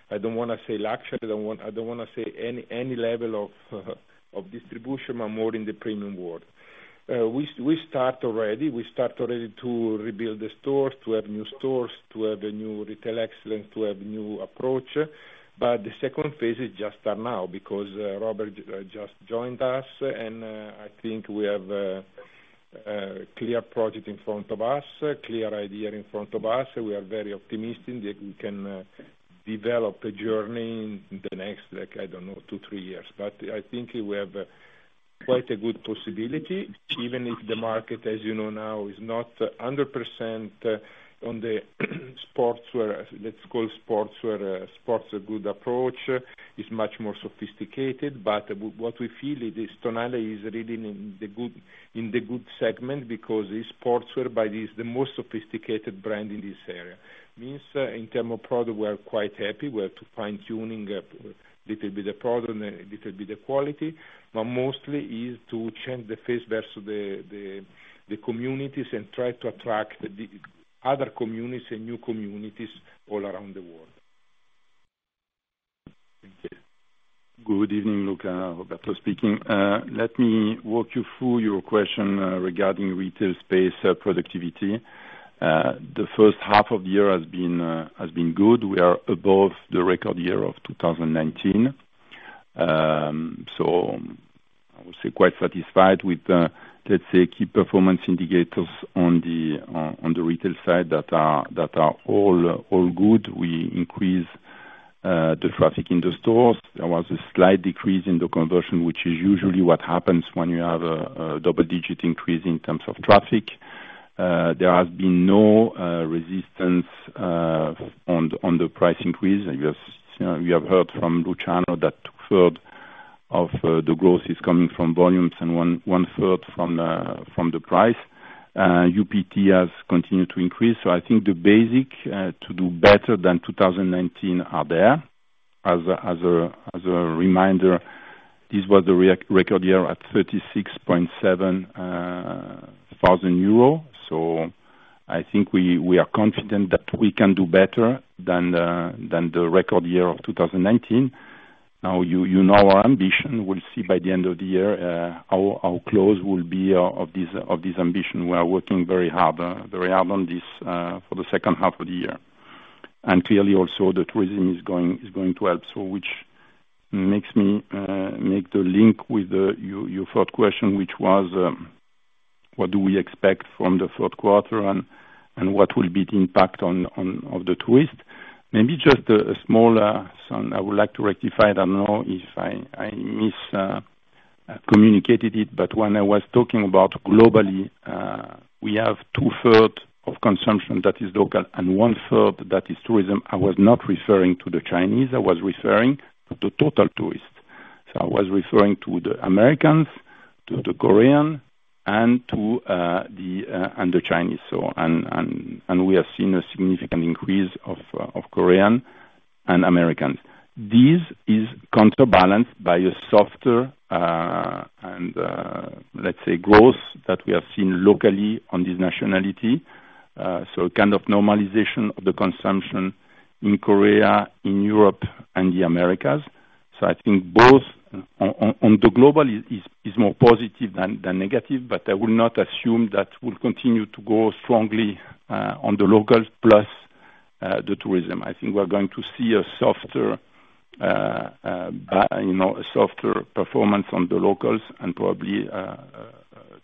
I don't wanna say luxury, I don't wanna say any level of distribution, but more in the premium world. We start already, we start already to rebuild the stores, to have new stores, to have a new retail excellence, to have new approach. The second phase is just start now, because Robert just joined us, and I think we have a clear project in front of us, a clear idea in front of us. We are very optimistic that we can develop a journey in the next, like, I don't know, two, three years. I think we have quite a good possibility, even if the market, as you know now, is not 100%, on the sportswear, let's call sportswear, sports a good approach, is much more sophisticated. What we feel is Tonale is really in the good, in the good segment, because it's sportswear, but is the most sophisticated brand in this area. Means, in term of product, we are quite happy. We have to fine-tuning little bit the product and little bit the quality, but mostly is to change the face versus the communities and try to attract the other communities and new communities all around the world. Thank you. Good evening, Luca. Roberto speaking. let me walk you through your question regarding retail space productivity. the first half of the year has been good. We are above the record year of 2019. I would say quite satisfied with let's say, key performance indicators on the retail side that are all good. We increase the traffic in the stores. There was a slight decrease in the conversion, which is usually what happens when you have a double-digit increase in terms of traffic. There has been no resistance on the price increase. You have heard from Luciano that third of the growth is coming from volumes and one third from from the price. UPT has continued to increase. I think the basic to do better than 2019 are there. As a reminder, this was the record year at 36.7 thousand euro. I think we are confident that we can do better than the record year of 2019. You know our ambition. We'll see by the end of the year how close we'll be of this ambition. We are working very hard, very hard on this for the second half of the year. Clearly, also, the tourism is going to help. Which makes me make the link with your third question, which was: What do we expect from the third quarter, and what will be the impact of the tourist? Maybe just a small, so I would like to rectify, I don't know if I communicated it, but when I was talking about globally, we have two third of consumption that is local and one third that is tourism, I was not referring to the Chinese, I was referring to total tourists. I was referring to the Americans, to the Korean, and to the Chinese. We have seen a significant increase of Korean and Americans. This is counterbalanced by a softer, let's say growth that we have seen locally on this nationality. Kind of normalization of the consumption in Korea, in Europe, and the Americas. I think both on the global is more positive than negative, but I will not assume that we'll continue to grow strongly on the locals plus the tourism. I think we're going to see a softer, you know, a softer performance on the locals and probably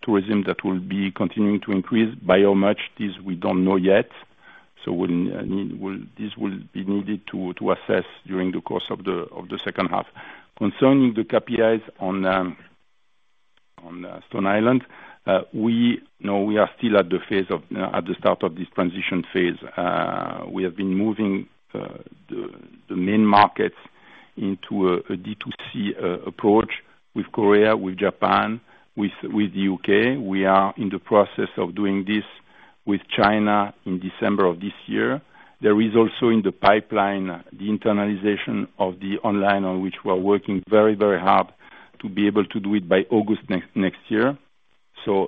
tourism that will be continuing to increase. By how much, this we don't know yet. We'll need this will be needed to assess during the course of the second half. Concerning the KPIs on Stone Island, we are still at the phase of at the start of this transition phase. We have been moving the main markets into a D2C approach with Korea, with Japan, with the UK. We are in the process of doing this with China in December of this year. There is also in the pipeline, the internalization of the online, on which we're working very, very hard to be able to do it by August next year.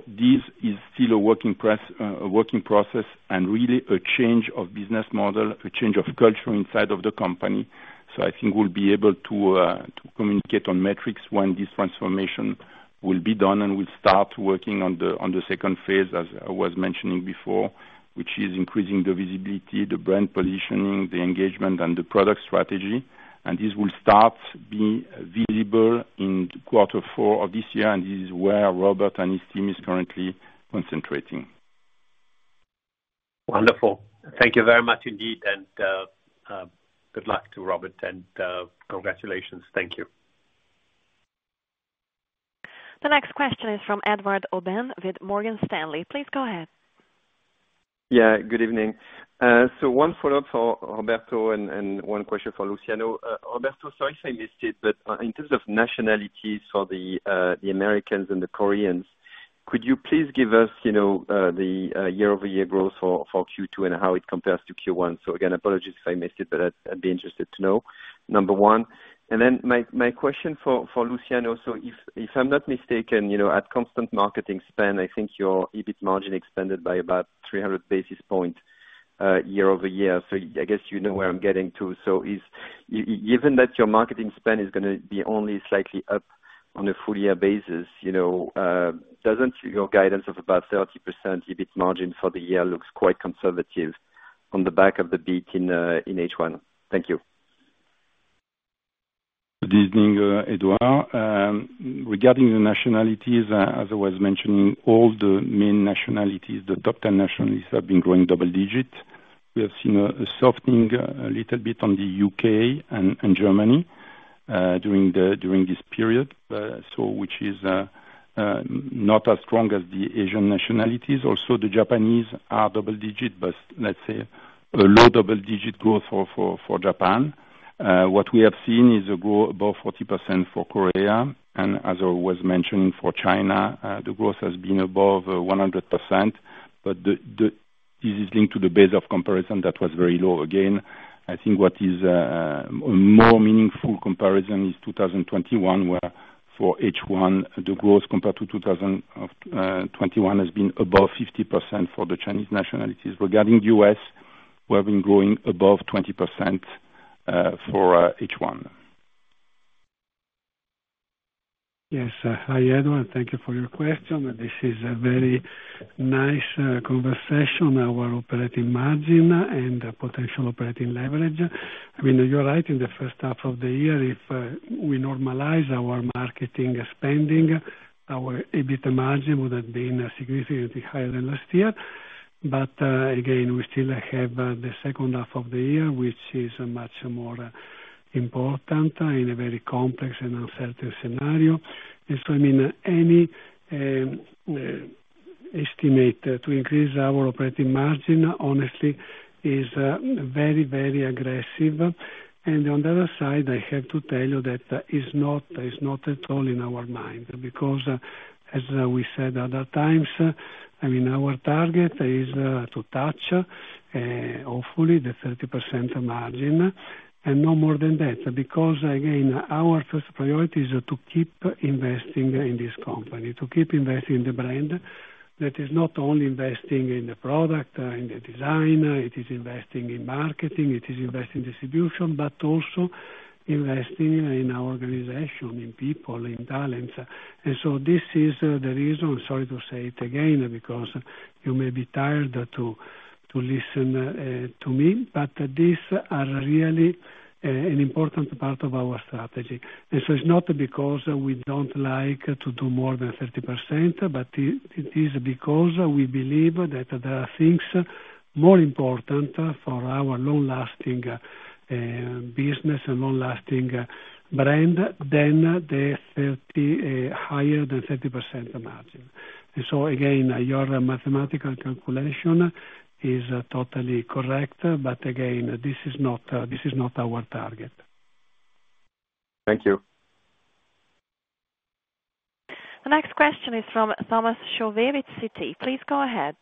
This is still a working process and really a change of business model, a change of culture inside of the company. I think we'll be able to communicate on metrics when this transformation will be done, and we'll start working on the second phase, as I was mentioning before, which is increasing the visibility, the brand positioning, the engagement, and the product strategy. This will start being visible in quarter four of this year, and this is where Robert and his team is currently concentrating. Wonderful. Thank you very much indeed. Good luck to Robert and, congratulations. Thank you. The next question is from Edouard Aubin, with Morgan Stanley. Please go ahead. Good evening. One follow-up for Roberto and one question for Luciano. Roberto, sorry if I missed it, but in terms of nationalities for the Americans and the Koreans, could you please give us, you know, the year-over-year growth for Q2 and how it compares to Q1? Again, apologies if I missed it, but I'd be interested to know, number one. Then my question for Luciano: if I'm not mistaken, you know, at constant marketing spend, I think your EBIT margin expanded by about 300 basis points year-over-year. I guess you know where I'm getting to. Is given that your marketing spend is gonna be only slightly up on a full year basis, you know, doesn't your guidance of about 30% EBIT margin for the year looks quite conservative on the back of the beat in H1? Thank you. Good evening, Edouard Aubin. Regarding the nationalities, as I was mentioning, all the main nationalities, the top 10 nationalities have been growing double digits. We have seen a softening a little bit on the UK and Germany during this period, which is not as strong as the Asian nationalities. Also, the Japanese are double digits, but let's say a low double-digit growth for Japan. What we have seen is a growth above 40% for Korea, and as I was mentioning, for China, the growth has been above 100%, but this is linked to the base of comparison that was very low. I think what is a more meaningful comparison is 2021, where for H1, the growth compared to 2021 has been above 50% for the Chinese nationalities. Regarding US, we have been growing above 20% for H1. Yes. Hi, Edward, thank you for your question. This is a very nice conversation, our operating margin and potential operating leverage. I mean, you're right, in the first half of the year, if we normalize our marketing spending, our EBIT margin would have been significantly higher than last year. Again, we still have the second half of the year, which is much more important in a very complex and uncertain scenario. I mean, any estimate to increase our operating margin, honestly, is very, very aggressive. On the other side, I have to tell you that it's not, it's not at all in our mind, because, as we said other times, I mean, our target is to touch, hopefully the 30% margin, and no more than that. Again, our first priority is to keep investing in this company, to keep investing in the brand. That is not only investing in the product, in the design, it is investing in marketing, it is investing in distribution, but also investing in our organization, in people, in talents. This is the reason, I'm sorry to say it again, because you may be tired to listen to me, but these are really an important part of our strategy. It's not because we don't like to do more than 30%, but it is because we believe that there are things more important for our long-lasting business and long-lasting brand than the 30% higher than 30% margin. Again, your mathematical calculation is totally correct, but again, this is not our target. Thank you. The next question is from Thomas Chauvet with Citi. Please go ahead.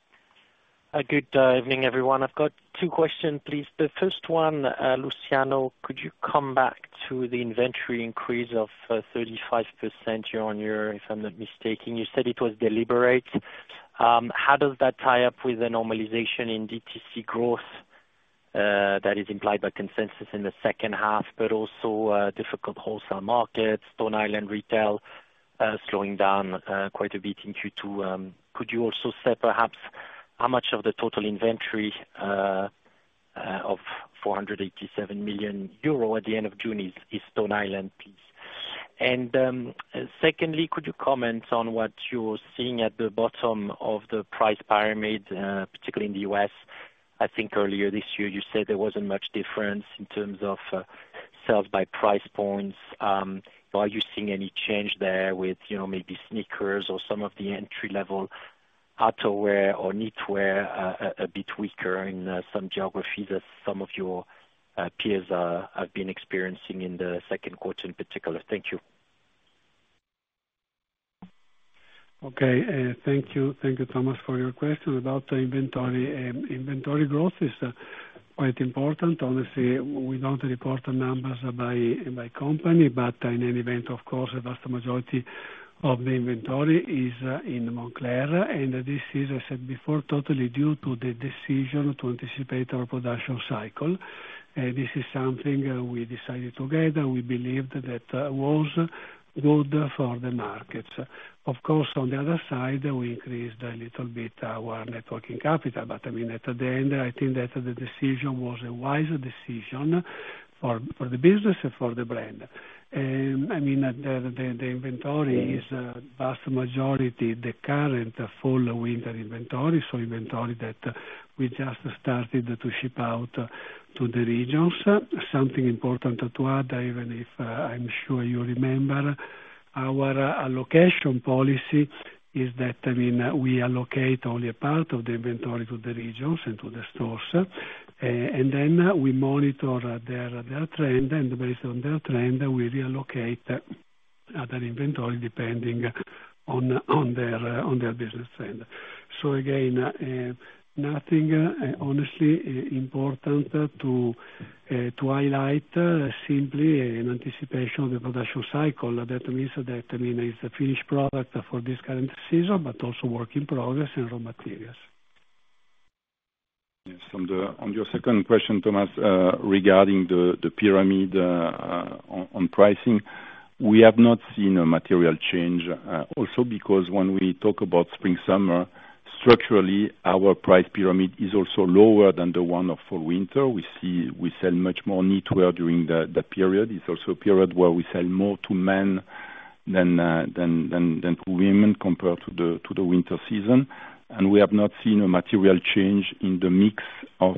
Good evening, everyone. I've got two questions, please. The first one, Luciano, could you come back to the inventory increase of 35% year-on-year, if I'm not mistaken? You said it was deliberate. How does that tie up with the normalization in DTC growth that is implied by consensus in the second half, also difficult wholesale markets, Stone Island retail slowing down quite a bit in Q2. Could you also say perhaps how much of the total inventory of 487 million euro at the end of June is Stone Island, please? Secondly, could you comment on what you're seeing at the bottom of the price pyramid, particularly in the US? I think earlier this year, you said there wasn't much difference in terms of sales by price points. Are you seeing any change there with, you know, maybe sneakers or some of the entry-level outerwear or knitwear, a bit weaker in some geographies as some of your peers are, have been experiencing in the second quarter in particular? Thank you. Okay, thank you. Thank you, Thomas, for your question about the inventory. Inventory growth is quite important. Honestly, we don't report the numbers by company, but in any event, of course, the vast majority of the inventory is in Moncler. This is, as I said before, totally due to the decision to anticipate our production cycle. This is something we decided together. We believed that was good for the markets. Of course, on the other side, we increased a little bit our networking capital. I mean, at the end, I think that the decision was a wise decision for the business and for the brand. I mean, the inventory is vast majority, the current fall winter inventory, so inventory that we just started to ship out to the regions. Something important to add, even if, I'm sure you remember, our allocation policy is that, I mean, we allocate only a part of the inventory to the regions and to the stores, and then we monitor their trend, and based on their trend, we reallocate that inventory depending on their business trend. Again, nothing honestly important to highlight, simply in anticipation of the production cycle. That means that, I mean, it's a finished product for this current season, but also work in progress and raw materials. Yes, on your second question, Thomas, regarding the pyramid on pricing, we have not seen a material change also because when we talk about spring/summer, structurally, our price pyramid is also lower than the one of fall/winter. We sell much more knitwear during that period. It's also a period where we sell more to men than to women, compared to the winter season, and we have not seen a material change in the mix of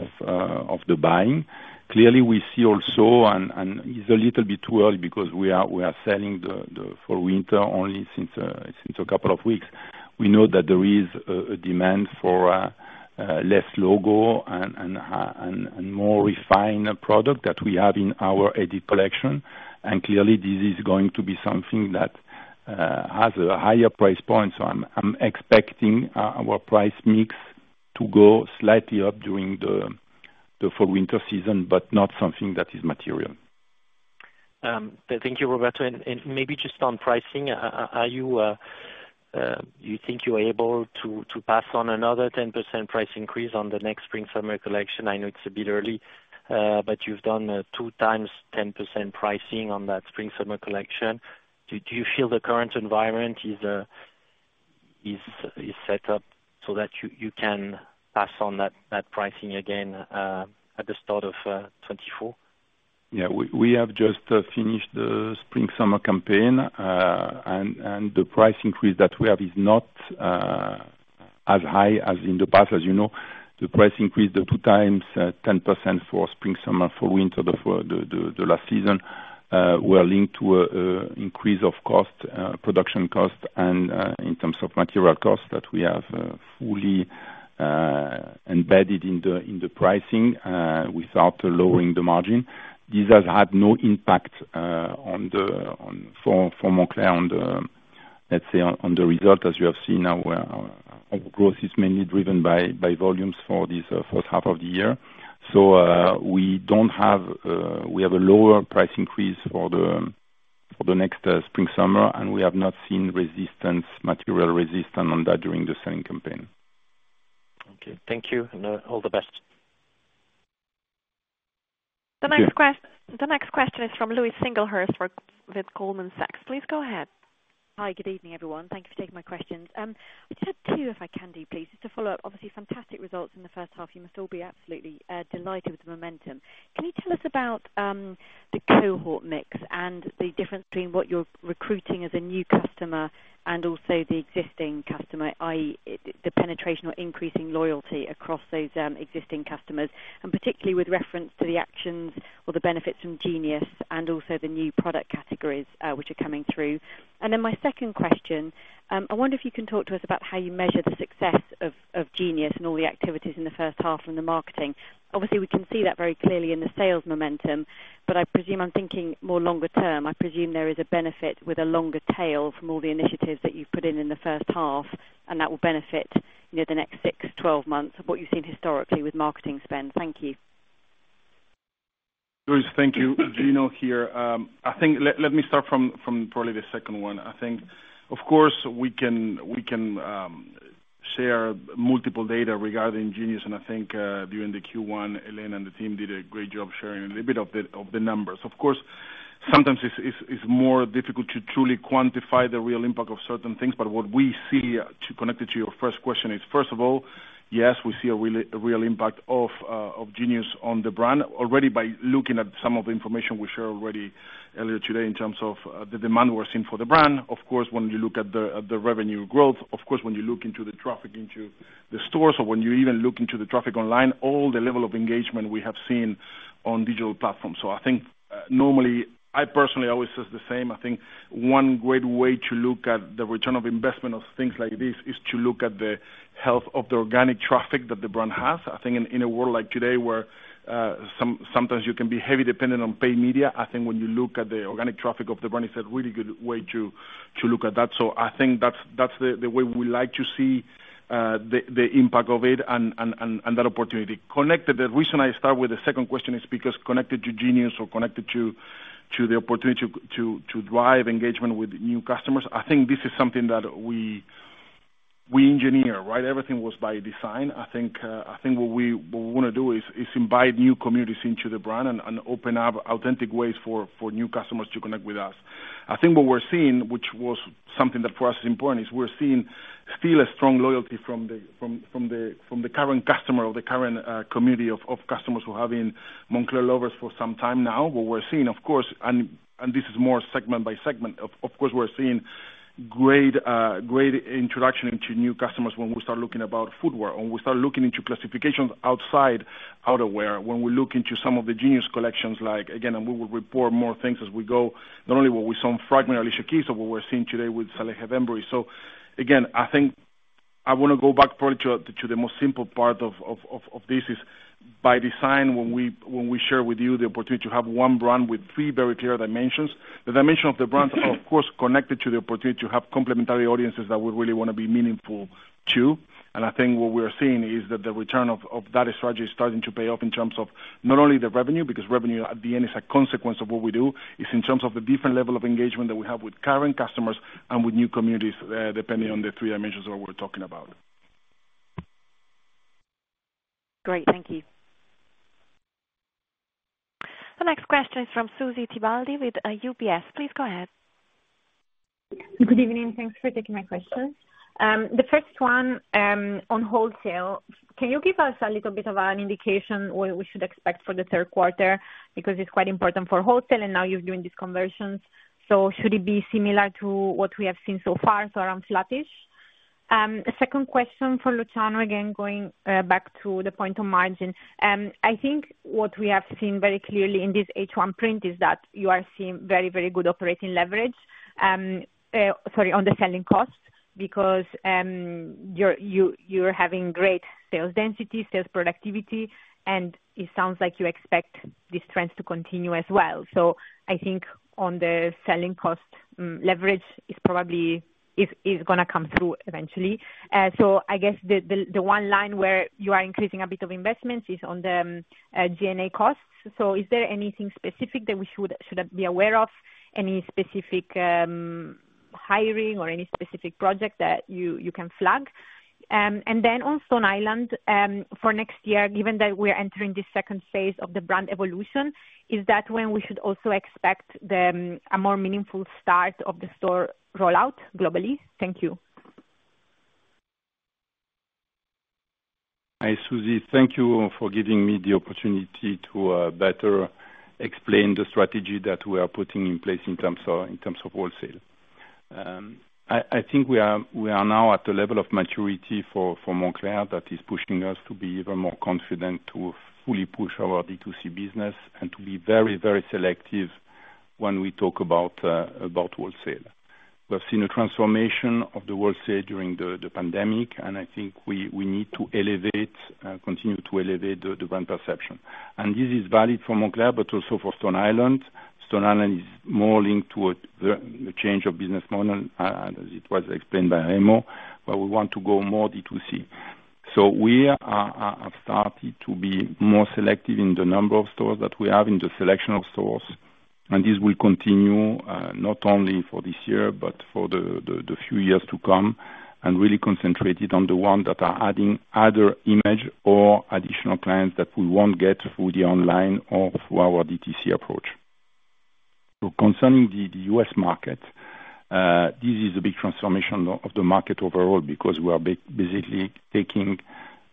the buying. Clearly, we see also, and it's a little bit too early, because we are selling the fall/winter only since a couple of weeks. We know that there is a demand for less logo and more refined product that we have in our edit collection. Clearly, this is going to be something that has a higher price point, so I'm expecting our price mix to go slightly up during the fall/winter season, but not something that is material. Thank you, Roberto, and maybe just on pricing, are you think you are able to pass on another 10% price increase on the next spring/summer collection? I know it's a bit early, but you've done two times 10% pricing on that spring/summer collection. Do you feel the current environment is set up so that you can pass on that pricing again at the start of 2024? We have just finished the spring/summer campaign, and the price increase that we have is not as high as in the past. As you know, the price increase, the two times 10% for spring/summer, fall/winter, the last season, were linked to a increase of cost, production cost and in terms of material costs that we have fully embedded in the pricing without lowering the margin. This has had no impact for Moncler on the, let's say, on the result. As you have seen, our growth is mainly driven by volumes for this first half of the year. We don't have, we have a lower price increase for the, for the next, spring/summer, and we have not seen resistance, material resistance on that during the selling campaign. Okay. Thank you, and all the best. Thank you. The next question is from Louise Singlehurst, with Goldman Sachs. Please go ahead. Hi, good evening, everyone. Thank Thank you for taking my questions. I just had two, if I can, please, just to follow up. Obviously, fantastic results in the first half. You must all be absolutely delighted with the momentum. Can you tell us about the cohort mix and the difference between what you're recruiting as a new customer and also the existing customer, i.e., the penetration or increasing loyalty across those existing customers, and particularly with reference to the actions or the benefits from Genius and also the new product categories which are coming through? My second question, I wonder if you can talk to us about how you measure the success of Genius and all the activities in the first half and the marketing. We can see that very clearly in the sales momentum. I presume I'm thinking more longer term. I presume there is a benefit with a longer tail from all the initiatives that you've put in in the first half, and that will benefit, you know, the next six, 12 months of what you've seen historically with marketing spend? Thank you. Louise, thank you. Gino here. I think, let me start from probably the second one. I think, of course, we can share multiple data regarding Genius, and I think, during the Q1, Helene and the team did a great job sharing a little bit of the numbers. Of course, sometimes it's more difficult to truly quantify the real impact of certain things, but what we see, to connect it to your first question is, first of all, yes, we see a real impact of Genius on the brand. Already by looking at some of the information we shared already earlier today in terms of the demand we're seeing for the brand, of course, when you look at the revenue growth, of course, when you look into the traffic into the stores, or when you even look into the traffic online, all the level of engagement we have seen on digital platforms. Normally, I personally always says the same, I think one great way to look at the return of investment of things like this, is to look at the health of the organic traffic that the brand has. I think in a world like today, where sometimes you can be heavy dependent on paid media, I think when you look at the organic traffic of the brand, it's a really good way to look at that. I think that's the way we like to see the impact of it and that opportunity. Connected, the reason I start with the second question is because connected to Genius or connected to the opportunity to drive engagement with new customers, I think this is something that we engineer, right? Everything was by design. I think what we wanna do is invite new communities into the brand and open up authentic ways for new customers to connect with us. I think what we're seeing, which was something that for us is important, is we're seeing still a strong loyalty from the current customer or the current community of customers who have been Moncler lovers for some time now. We're seeing, of course, and this is more segment by segment, of course, we're seeing great introduction into new customers when we start looking about footwear. When we start looking into classifications outside outerwear, when we look into some of the Genius collections, like again, and we will report more things as we go, not only what we saw in Fragment Alicia Keys, but what we're seeing today with Salehe Bembury. Again, I think I wanna go back probably to the most simple part of this is by design, when we share with you the opportunity to have one brand with three very clear dimensions, the dimension of the brand is, of course, connected to the opportunity to have complementary audiences that we really wanna be meaningful to. I think what we are seeing is that the return of that strategy is starting to pay off in terms of not only the revenue, because revenue at the end is a consequence of what we do. It's in terms of the different level of engagement that we have with current customers and with new communities, depending on the three dimensions that we're talking about. Great. Thank you. The next question is from Susy Tibaldi with UBS. Please go ahead. Good evening, thanks for taking my question. The first one on wholesale, Can you give us a little bit of an indication what we should expect for the third quarter? It's quite important for wholesale, and now you're doing these conversions. Should it be similar to what we have seen so far, so around flattish? A second question for Luciano, again, going back to the point on margin. I think what we have seen very clearly in this H1 print, is that you are seeing very, very good operating leverage. Sorry, on the selling cost, because you're having great sales density, sales productivity, and it sounds like you expect this trend to continue as well. I think on the selling cost, leverage is probably gonna come through eventually. I guess the one line where you are increasing a bit of investment is on the G&A costs. Is there anything specific that we should be aware of? Any specific hiring or any specific projects that you can flag? And then on Stone Island, for next year, given that we're entering this second phase of the brand evolution, is that when we should also expect a more meaningful start of the store rollout globally? Thank you. Hi, Susy. Thank you for giving me the opportunity to better explain the strategy that we are putting in place in terms of wholesale. I think we are now at the level of maturity for Moncler that is pushing us to be even more confident, to fully push our D2C business and to be very selective when we talk about wholesale. We've seen a transformation of the wholesale during the pandemic, and I think we need to elevate, continue to elevate the brand perception. This is valid for Moncler, but also for Stone Island. Stone Island is more linked to a change of business model, as it was explained by Remo, but we want to go more D2C. We are starting to be more selective in the number of stores that we have in the selection of stores. This will continue, not only for this year, but for the few years to come, and really concentrated on the one that are adding either image or additional clients that we won't get through the online or through our DTC approach. Concerning the US market, this is a big transformation of the market overall, because we are basically taking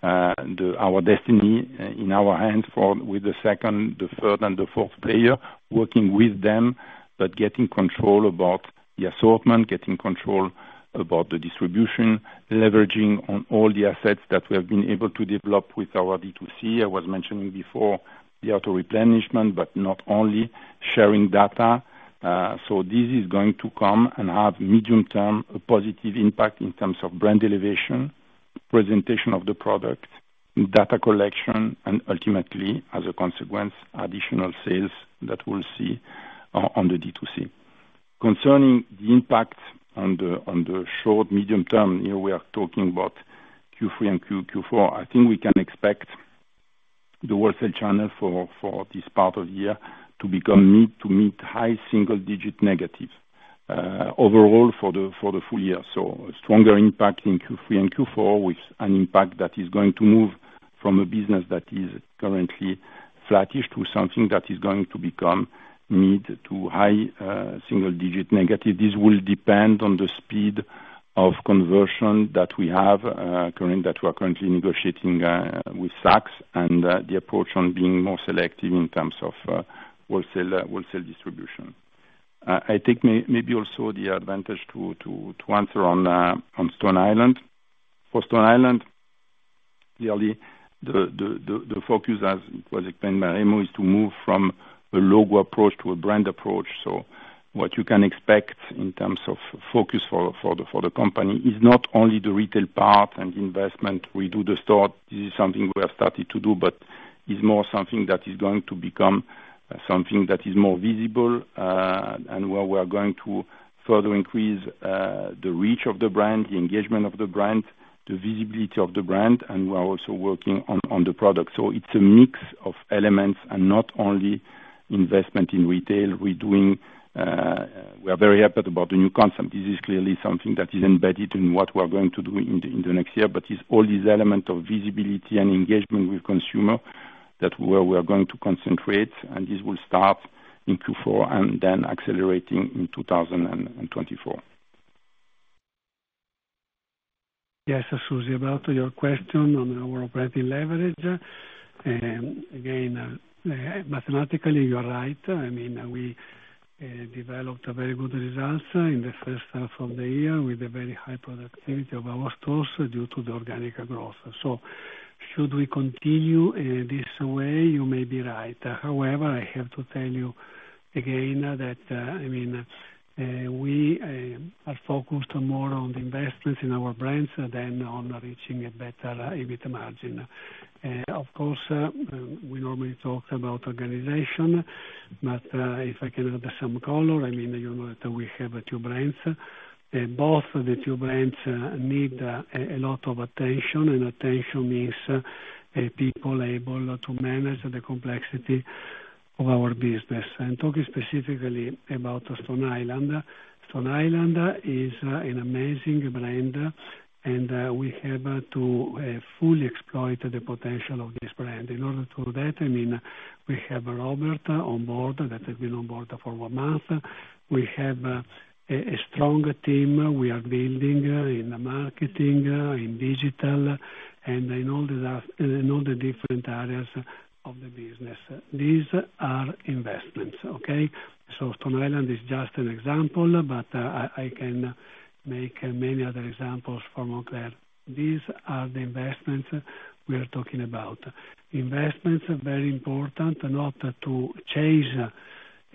our destiny in our hands for with the second, the third, and the fourth player, working with them, but getting control about the assortment, getting control about the distribution, leveraging on all the assets that we have been able to develop with our D2C. I was mentioning before, the auto-replenishment, but not only sharing data. This is going to come and have medium-term, a positive impact in terms of brand elevation, presentation of the product, data collection, and ultimately, as a consequence, additional sales that we'll see on the D2C. Concerning the impact on the short, medium term, here we are talking about Q3 and Q4. I think we can expect the wholesale channel for this part of the year to become mid-to-high single digit negative % overall for the full year. A stronger impact in Q3 and Q4, with an impact that is going to move from a business that is currently flattish, to something that is going to become mid-to-high single digit negative %. This will depend on the speed of conversion that we have, that we're currently negotiating with Saks, and the approach on being more selective in terms of wholesale distribution. I take maybe also the advantage to answer on Stone Island. For Stone Island. Clearly, the focus as was explained by Remo is to move from a logo approach to a brand approach. What you can expect in terms of focus for the company is not only the retail part and investment. We do the store, this is something we have started to do, but is more something that is going to become something that is more visible, and where we are going to further increase the reach of the brand, the engagement of the brand, the visibility of the brand, and we are also working on the product. It's a mix of elements and not only investment in retail, redoing, we are very happy about the new concept. This is clearly something that is embedded in what we are going to do in the next year, but it's all this element of visibility and engagement with consumer that where we are going to concentrate, and this will start in Q4 and then accelerating in 2024. Yes, Susy, about your question on our operating leverage, again, mathematically, you are right. I mean, we developed a very good results in the first half of the year with a very high productivity of our stores due to the organic growth. Should we continue this way, you may be right. However, I have to tell you again, that, I mean, we are focused more on the investments in our brands than on reaching a better EBIT margin. Of course, we normally talk about organization, but if I can add some color, I mean, you know that we have two brands, and both of the two brands need a lot of attention, and attention means people able to manage the complexity of our business. I'm talking specifically about Stone Island. Stone Island is an amazing brand, and we have to fully exploit the potential of this brand. In order to do that, I mean, we have Robert on board, that has been on board for one month. We have a strong team we are building in the marketing, in digital, and in all the different areas of the business. These are investments, okay? Stone Island is just an example, but I can make many other examples from Moncler. These are the investments we are talking about. Investments are very important, not to chase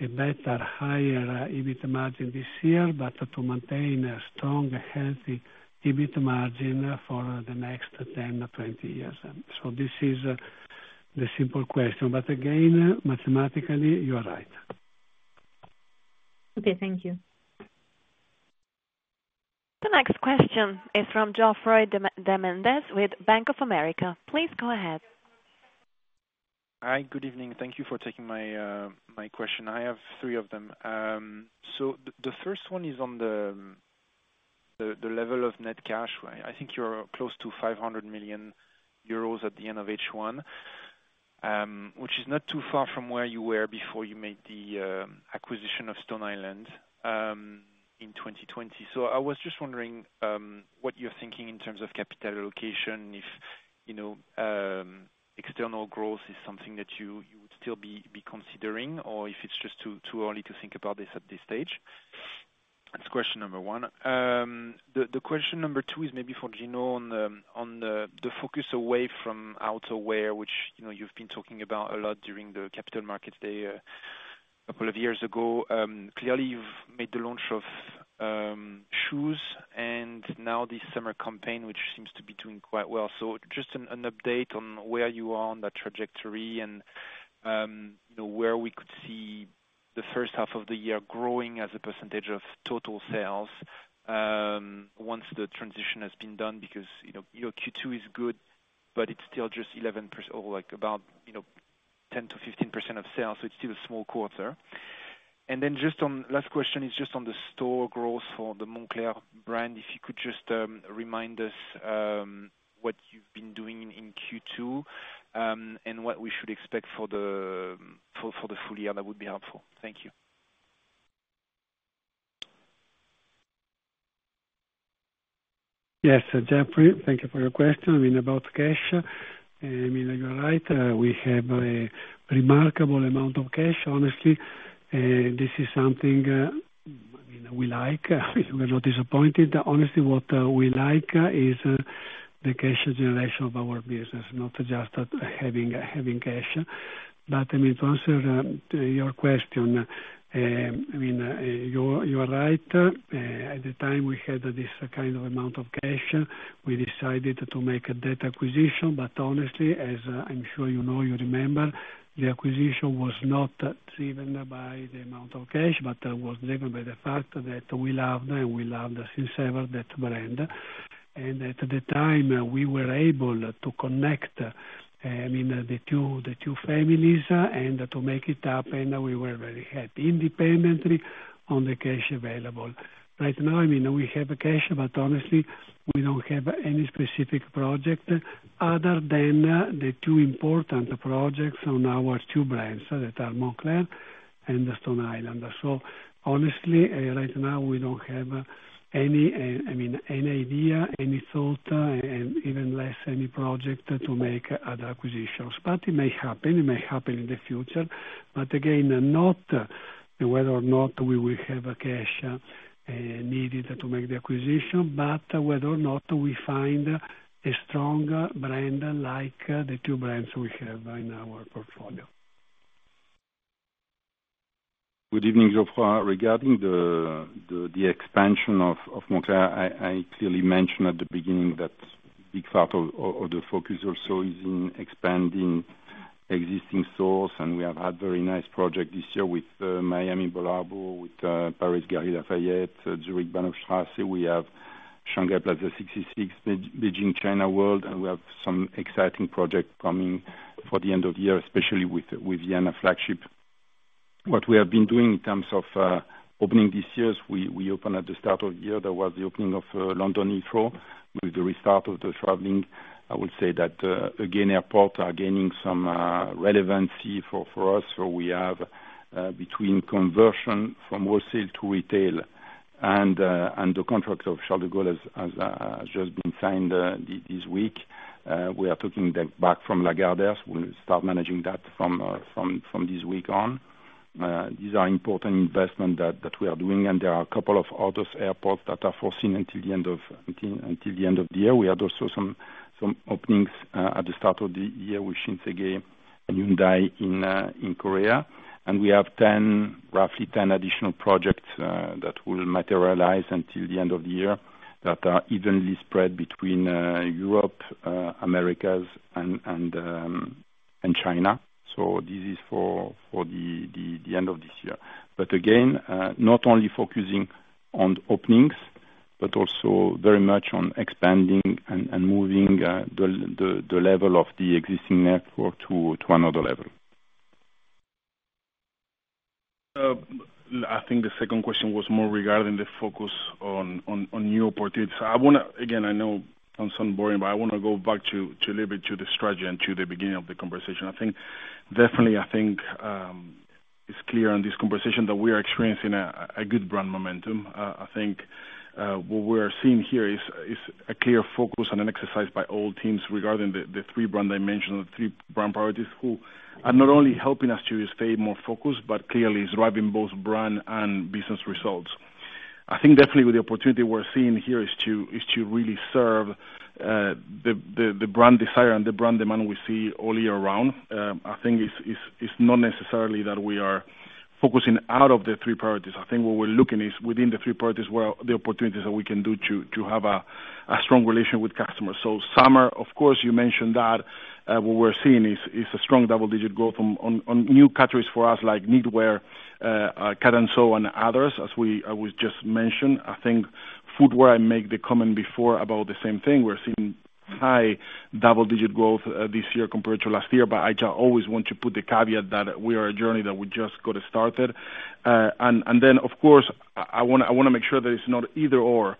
a better, higher EBIT margin this year, but to maintain a strong, healthy EBIT margin for the next 10, 20 years. This is the simple question, but again, mathematically, you are right. Okay, thank you. The next question is from Geoffroy de Mendez with Bank of America. Please go ahead. Hi, good evening. Thank you for taking my question. I have three of them. The first one is on the level of net cash. I think you're close to 500 million euros at the end of H1, which is not too far from where you were before you made the acquisition of Stone Island in 2020. I was just wondering what you're thinking in terms of capital allocation, if, you know, external growth is something that you would still be considering, or if it's just too early to think about this at this stage? That's question number one. The question number two is maybe for Gino on the, on the focus away from outerwear, which, you know, you've been talking about a lot during the capital markets day, a couple of years ago. Clearly, you've made the launch of shoes and now this summer campaign, which seems to be doing quite well. Just an update on where you are on that trajectory and, you know, where we could see the first half of the year growing as a percentage of total sales, once the transition has been done, because, you know, your Q2 is good, but it's still just 11% or like about, you know, 10% to 15% of sales, so it's still a small quarter. Last question is just on the store growth for the Moncler brand. If you could just remind us, what you've been doing in Q2, and what we should expect for the full year, that would be helpful? Thank you. Yes, Geoffroy, thank you for your question. I mean, about cash, I mean, you're right, we have a remarkable amount of cash, honestly, this is something, I mean, we like. We're not disappointed. Honestly, what we like, is the cash generation of our business, not just having cash. I mean, to answer your question, I mean, you are right. At the time we had this kind of amount of cash, we decided to make that acquisition, but honestly, as I'm sure you know, you remember, the acquisition was not driven by the amount of cash, but was driven by the fact that we loved, and we loved since ever that brand. At the time, we were able to connect, I mean, the two families, and to make it happen, we were very happy, independently on the cash available. Right now, I mean, we have cash, but honestly, we don't have any specific project other than the two important projects on our two brands that are Moncler and Stone Island. Honestly, right now, we don't have any, I mean, any idea, any thought, and even less any project to make other acquisitions. It may happen, it may happen in the future, but again, not and whether or not we will have a cash needed to make the acquisition, but whether or not we find a strong brand like the two brands we have in our portfolio. Good evening, Geoffroy. Regarding the expansion of Moncler, I clearly mentioned at the beginning that big part of the focus also is in expanding existing stores, and we have had very nice project this year with Miami Bal Harbour, with Paris Galeries Lafayette, Zurich Bahnhofstrasse. We have Shanghai Plaza 66, Beijing China World, and we have some exciting project coming for the end of the year, especially with Vienna flagship. What we have been doing in terms of opening this year, we open at the start of the year, there was the opening of London Heathrow. With the restart of the traveling, I would say that again, airport are gaining some relevancy for us. We have between conversion from wholesale to retail and the contract of Charles de Gaulle has just been signed this week. We are taking them back from Lagardère, we'll start managing that from this week on. These are important investment that we are doing, there are a couple of other airports that are foreseen until the end of the year. We had also some openings at the start of the year with Shinsegae and Hyundai in Korea. We have 10, roughly 10 additional projects that will materialize until the end of the year, that are evenly spread between Europe, Americas and China. This is for the end of this year. Again, not only focusing on openings, but also very much on expanding and moving, the level of the existing network to another level. I think the second question was more regarding the focus on new opportunities. Again, I know sounds boring, but I wanna go back to a little bit to the strategy and to the beginning of the conversation. I think, definitely, I think, it's clear on this conversation that we are experiencing a good brand momentum. I think, what we are seeing here is a clear focus and an exercise by all teams regarding the three brand dimensions, the three brand priorities, who are not only helping us to stay more focused, but clearly driving both brand and business results. I think definitely with the opportunity we're seeing here is to really serve, the brand desire and the brand demand we see all year round. I think it's not necessarily that we are focusing out of the three priorities. I think what we're looking is within the three priorities, where are the opportunities that we can do to have a strong relationship with customers. Summer, of course, you mentioned that, what we're seeing is a strong double-digit growth on new categories for us, like knitwear, cut and sew, and others, as I was just mentioned. I think footwear, I make the comment before about the same thing. We're seeing high double-digit growth this year compared to last year, but I just always want to put the caveat that we are a journey that we just got started. Then, of course, I wanna make sure that it's not either or.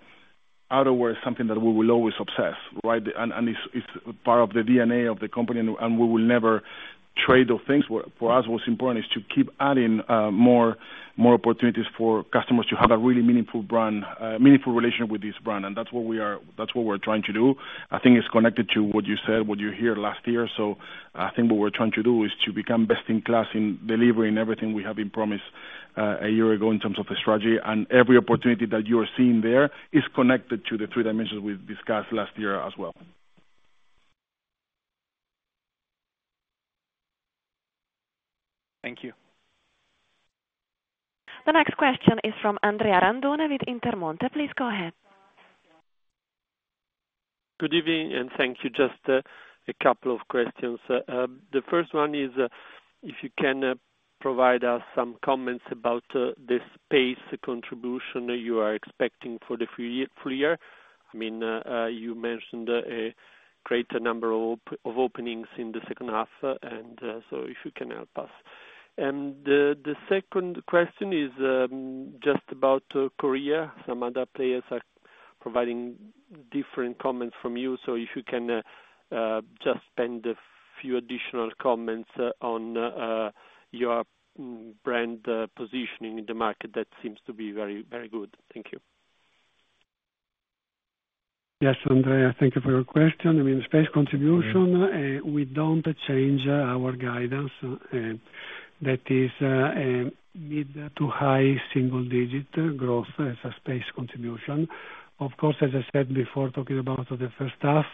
Outerwear is something that we will always obsess, right? It's part of the DNA of the company. We will never trade those things. For us, what's important is to keep adding more opportunities for customers to have a really meaningful brand, meaningful relationship with this brand. That's what we are, that's what we're trying to do. I think it's connected to what you said, what you hear last year. I think what we're trying to do is to become best-in-class in delivering everything we have been promised a year ago in terms of the strategy. Every opportunity that you are seeing there is connected to the three dimensions we've discussed last year as well. Thank you. The next question is from Andrea Randone with Intermonte. Please go ahead. Good evening, and thank you. Just a couple of questions. The first one is, if you can provide us some comments about the space contribution that you are expecting for the full year. I mean, you mentioned a greater number of openings in the second half, so if you can help us. The second question is, just about Korea. Some other players are providing different comments from you, so if you can just spend a few additional comments on your brand positioning in the market, that seems to be very, very good? Thank you. Yes, Andrea, thank you for your question. I mean, space contribution, we don't change our guidance, that is, mid to high single-digit growth as a space contribution. Of course, as I said before, talking about the first half,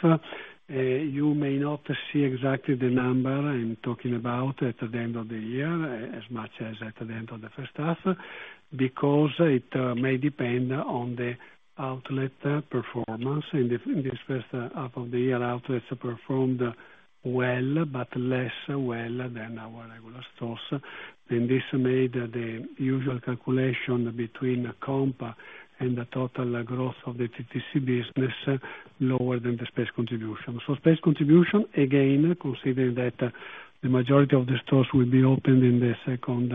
you may not see exactly the number I'm talking about at the end of the year, as much as at the end of the first half, because it may depend on the outlet performance. In this first half of the year, outlets performed well, but less well than our regular stores. This made the usual calculation between the compa and the total growth of the DTC business lower than the space contribution. Space contribution, again, considering that the majority of the stores will be opened in the second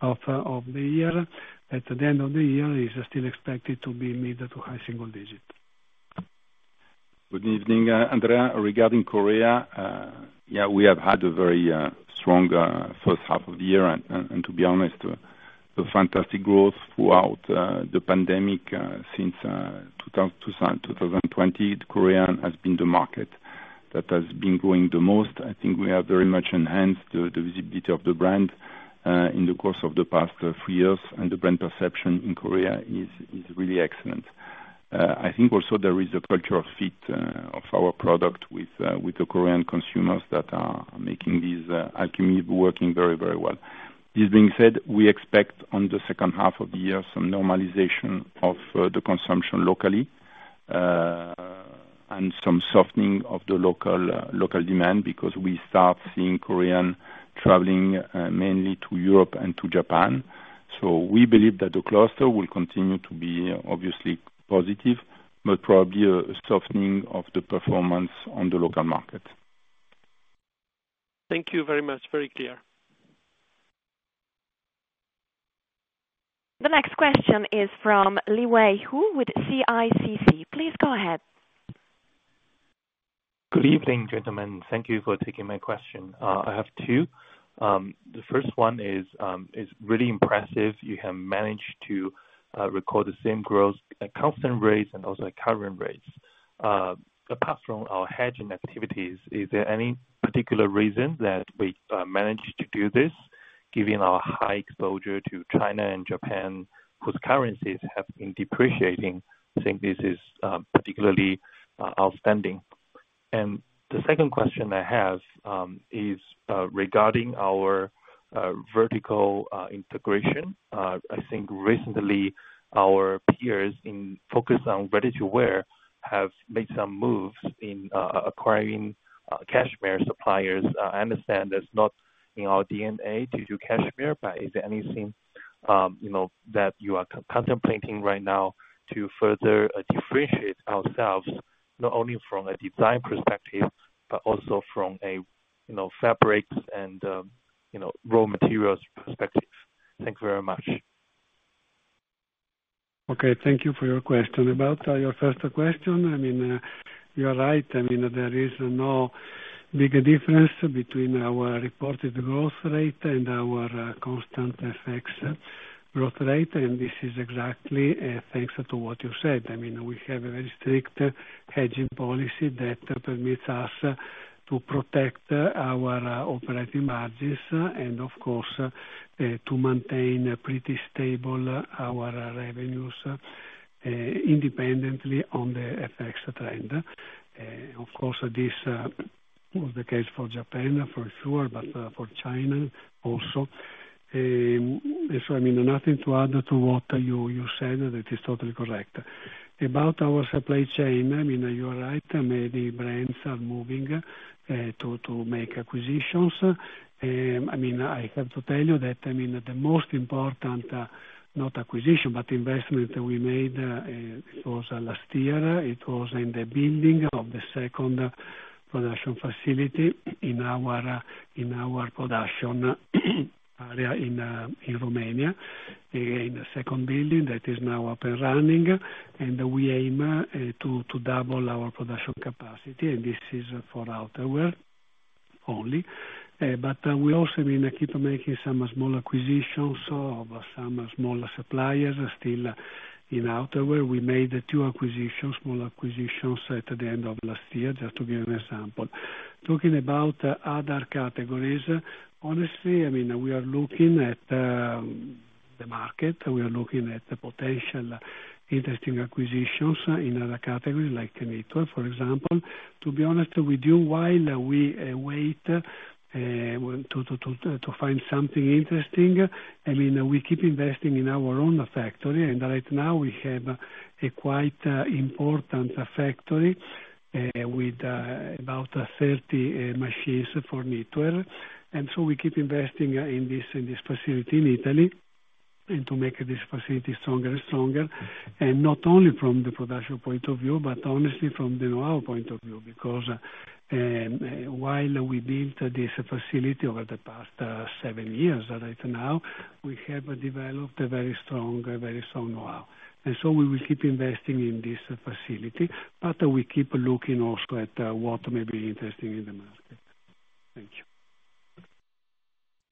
half of the year, at the end of the year, is still expected to be mid to high single digit. Good evening, Andrea. Regarding Korea, yeah, we have had a very strong first half of the year, and to be honest, a fantastic growth throughout the pandemic, since 2020, Korea has been the market that has been growing the most. I think we have very much enhanced the visibility of the brand, in the course of the past three years, and the brand perception in Korea is really excellent. I think also there is a cultural fit of our product with the Korean consumers that are making these alchemies working very, very well. This being said, we expect on the second half of the year, some normalization of the consumption locally, and some softening of the local local demand, because we start seeing Korean traveling mainly to Europe and to Japan. We believe that the cluster will continue to be obviously positive, but probably a softening of the performance on the local market. Thank you very much. Very clear. The next question is from Liwei HOU, with CICC. Please go ahead. Good evening, gentlemen. Thank you for taking my question. I have two. The first one is, it's really impressive you have managed to record the same growth at constant rates and also at current rates. Apart from our hedging activities, is there any particular reason that we managed to do this, given our high exposure to China and Japan, whose currencies have been depreciating? I think this is particularly outstanding. The second question I have is regarding our vertical integration. I think recently our peers in focus on ready-to-wear have made some moves in acquiring cashmere suppliers. I understand that's not in our DNA to do cashmere, but is there anything, you know, that you are contemplating right now to further differentiate ourselves, not only from a design perspective, but also from a, you know, fabrics and, you know, raw materials perspective? Thank you very much. Okay, thank you for your question. About your first question, I mean, you are right. I mean, there is no big difference between our reported growth rate and our constant FX growth rate, and this is exactly thanks to what you said. I mean, we have a very strict hedging policy that permits us to protect our operating margins and of course, to maintain a pretty stable our revenues independently on the FX trend. Of course, this was the case for Japan, for sure, but for China also. I mean, nothing to add to what you said, it is totally correct. About our supply chain, I mean, you are right, many brands are moving to make acquisitions. I mean, I have to tell you that, I mean, the most important not acquisition, but investment we made, it was last year. It was in the building of the second production facility in our in our production area in Romania. In the second building, that is now up and running, and we aim to double our production capacity, and this is for outerwear only. We also mean keep making some small acquisitions of some small suppliers still in outerwear. We made two acquisitions, small acquisitions, at the end of last year, just to give you an example. Talking about other categories, honestly, I mean, we are looking at the market, we are looking at the potential interesting acquisitions in other categories, like knitwear, for example. To be honest, we do, while we wait to find something interesting, I mean, we keep investing in our own factory, and right now we have a quite important factory with about 30 machines for knitwear. We keep investing in this facility in Italy, and to make this facility stronger and stronger. Not only from the production point of view, but honestly, from the know how point of view, because while we built this facility over the past seven years, right now, we have developed a very strong knowhow. We will keep investing in this facility, but we keep looking also at what may be interesting in the market. Thank you.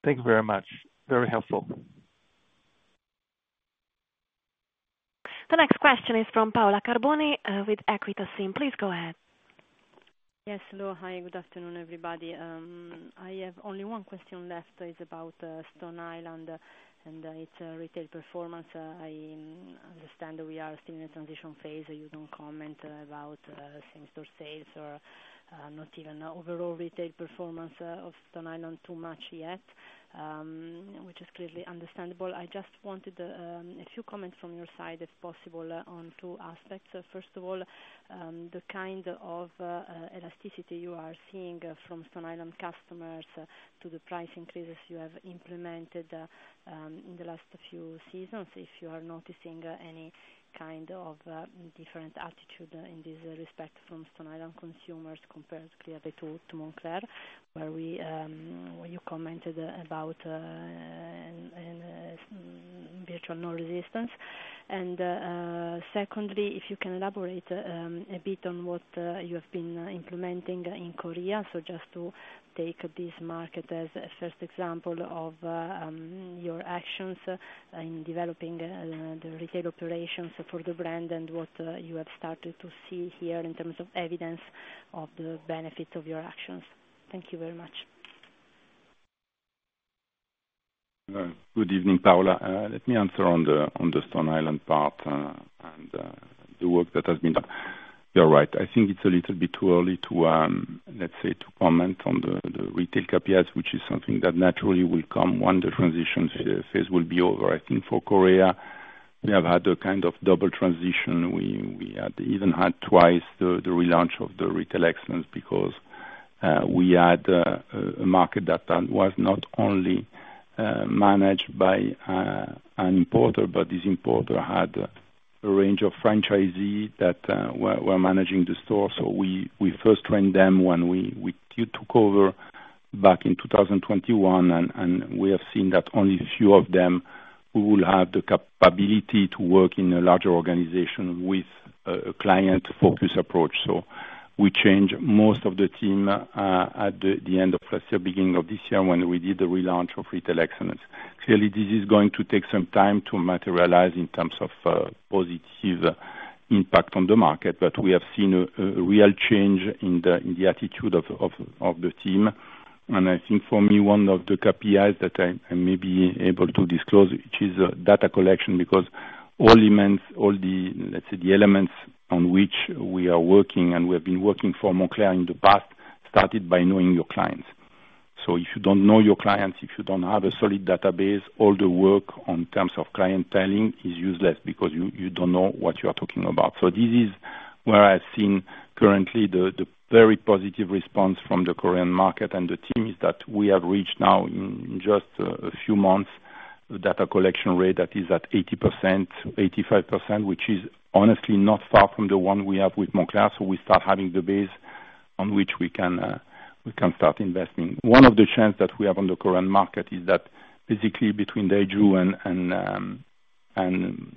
Thank you very much. Very helpful. The next question is from Paola Carboni, with Equita SIM. Please go ahead. Yes, hello. Hi, good afternoon, everybody. I have only one question left. It's about Stone Island and its retail performance. I understand we are still in a transition phase, so you don't comment about same store sales or not even overall retail performance of Stone Island too much yet, which is clearly understandable. I just wanted a few comments from your side, if possible, on two aspects. First of all, the kind of elasticity you are seeing from Stone Island customers to the price increases you have implemented in the last few seasons, if you are noticing any kind of different attitude in this respect from Stone Island consumers, compared clearly to Moncler, where you commented about... virtual no resistance. Secondly, if you can elaborate a bit on what you have been implementing in Korea. Just to take this market as a first example of your actions in developing the retail operations for the brand, and what you have started to see here in terms of evidence of the benefits of your actions? Thank you very much. Good evening, Paola. Let me answer on the Stone Island part and the work that has been done. You're right, I think it's a little bit too early to let's say, to comment on the retail KPIs, which is something that naturally will come when the transition phase will be over. I think for Korea, we have had a kind of double transition. We had even had twice the relaunch of the retail excellence because we had a market that was not only managed by an importer, but this importer had a range of franchisee that were managing the store. We first trained them when we took over back in 2021, and we have seen that only a few of them who will have the capability to work in a larger organization with a client focus approach. We change most of the team at the end of last year, beginning of this year, when we did the relaunch of retail excellence. Clearly, this is going to take some time to materialize in terms of positive impact on the market, but we have seen a real change in the attitude of the team. I think for me, one of the KPIs that I may be able to disclose, which is data collection. All elements, all the elements on which we are working and we have been working for Moncler in the past, started by knowing your clients. If you don't know your clients, if you don't have a solid database, all the work on terms of clienteling is useless because you don't know what you are talking about. This is where I've seen currently the very positive response from the Korean market and the team, is that we have reached now in just a few months, data collection rate that is at 80%, 85%, which is honestly not far from the one we have with Moncler. We start having the base on which we can start investing. One of the challenges that we have on the current market is that basically between Jeju and Seoul,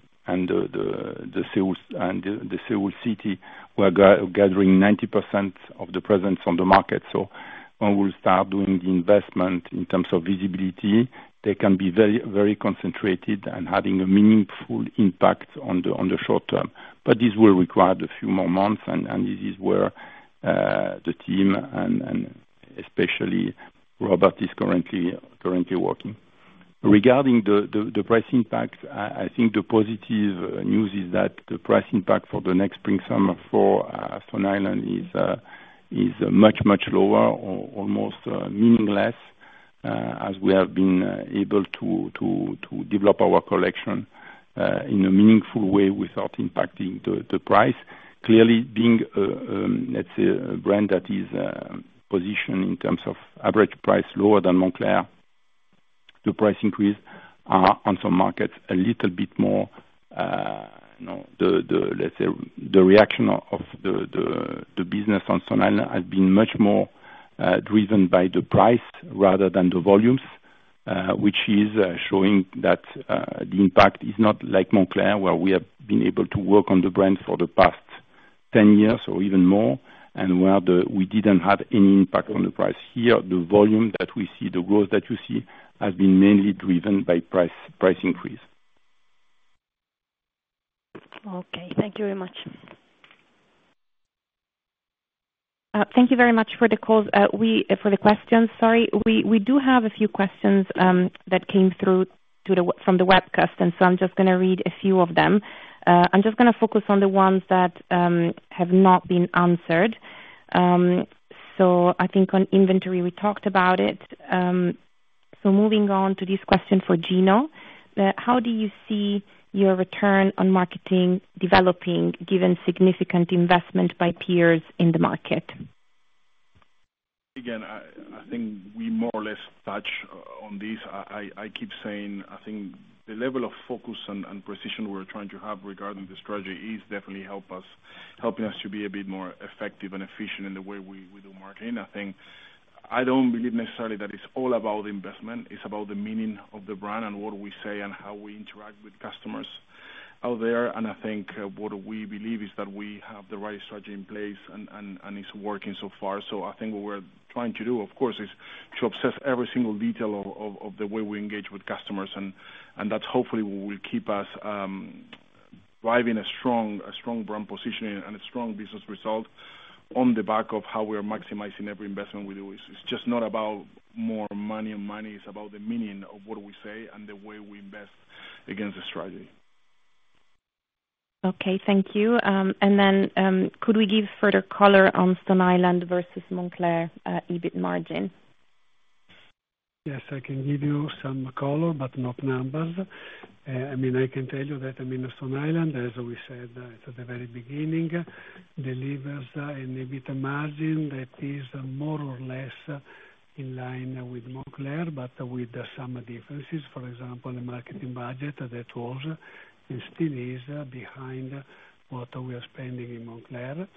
and Seoul City, we're gathering 90% of the presence on the market. When we start doing the investment in terms of visibility, they can be very concentrated and having a meaningful impact on the short term. This will require a few more months, and this is where the team and especially Robert is currently working. Regarding the price impacts, I think the positive news is that the price impact for the next spring, summer for Stone Island is much lower or almost meaningless as we have been able to develop our collection in a meaningful way without impacting the price. Clearly, being, let's say a brand that is positioned in terms of average price lower than Moncler, the price increase are on some markets a little bit more, you know, the, let's say, the reaction of the business on Stone Island has been much more driven by the price rather than the volumes. Which is showing that the impact is not like Moncler, where we have been able to work on the brand for the past 10 years or even more, and where we didn't have any impact on the price. Here, the volume that we see, the growth that you see, has been mainly driven by price increase. Okay, thank you very much. Thank you very much for the calls. For the questions, sorry. We do have a few questions that came through from the webcast. I'm just gonna read a few of them. I'm just gonna focus on the ones that have not been answered. I think on inventory, we talked about it. Moving on to this question for Gino, How do you see your return on marketing developing, given significant investment by peers in the market? I think we more or less touch on this. I keep saying, I think the level of focus and precision we're trying to have regarding the strategy is definitely helping us to be a bit more effective and efficient in the way we do marketing. I think, I don't believe necessarily that it's all about investment, it's about the meaning of the brand and what we say and how we interact with customers out there. I think what we believe is that we have the right strategy in place and it's working so far. I think what we're trying to do, of course, is to obsess every single detail of the way we engage with customers, and that hopefully will keep us driving a strong brand positioning and a strong business result on the back of how we are maximizing every investment we do. It's just not about more money and money, it's about the meaning of what we say and the way we invest against the strategy. Okay, thank you. Could we give further color on Stone Island versus Moncler EBIT margin? Yes, I can give you some color, but not numbers. I mean, I can tell you that, I mean, Stone Island, as we said at the very beginning, delivers an EBIT margin that is more or less in line with Moncler, but with some differences. For example, the marketing budget that was, and still is, behind what we are spending in Moncler.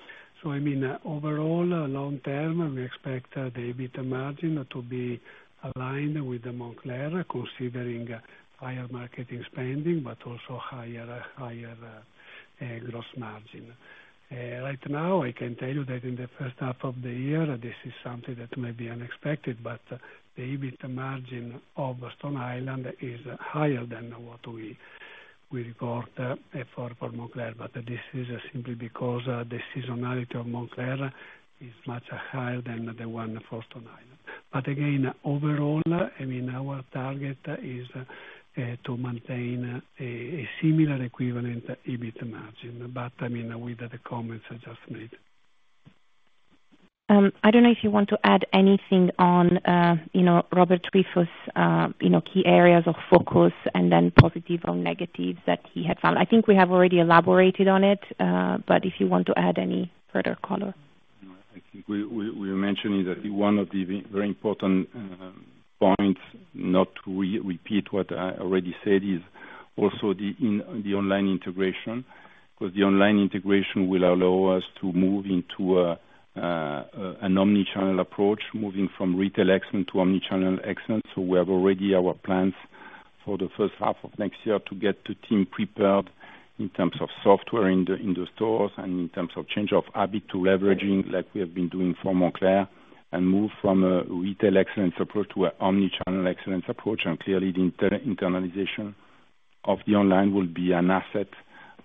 I mean, overall, long term, we expect the EBIT margin to be aligned with the Moncler, considering higher marketing spending, but also higher gross margin. Right now, I can tell you that in the first half of the year, this is something that may be unexpected, but the EBIT margin of Stone Island is higher than what we expected.... we report for Moncler. This is simply because the seasonality of Moncler is much higher than the one for Stone Island. Again, overall, I mean, our target is to maintain a similar equivalent EBIT margin. I mean, with the comments I just made. I don't know if you want to add anything on, you know, Robert Triefus, you know, key areas of focus and then positive or negatives that he had found. I think we have already elaborated on it, but if you want to add any further color. I think we mentioned that one of the very important points, not to repeat what I already said, is also the online integration. The online integration will allow us to move into an omnichannel approach, moving from retail excellence to omnichannel excellence. We have already our plans for the first half of next year to get the team prepared in terms of software in the stores, and in terms of change of habit to leveraging, like we have been doing for Moncler, and move from a retail excellence approach to a omnichannel excellence approach. Clearly, the internalization of the online will be an asset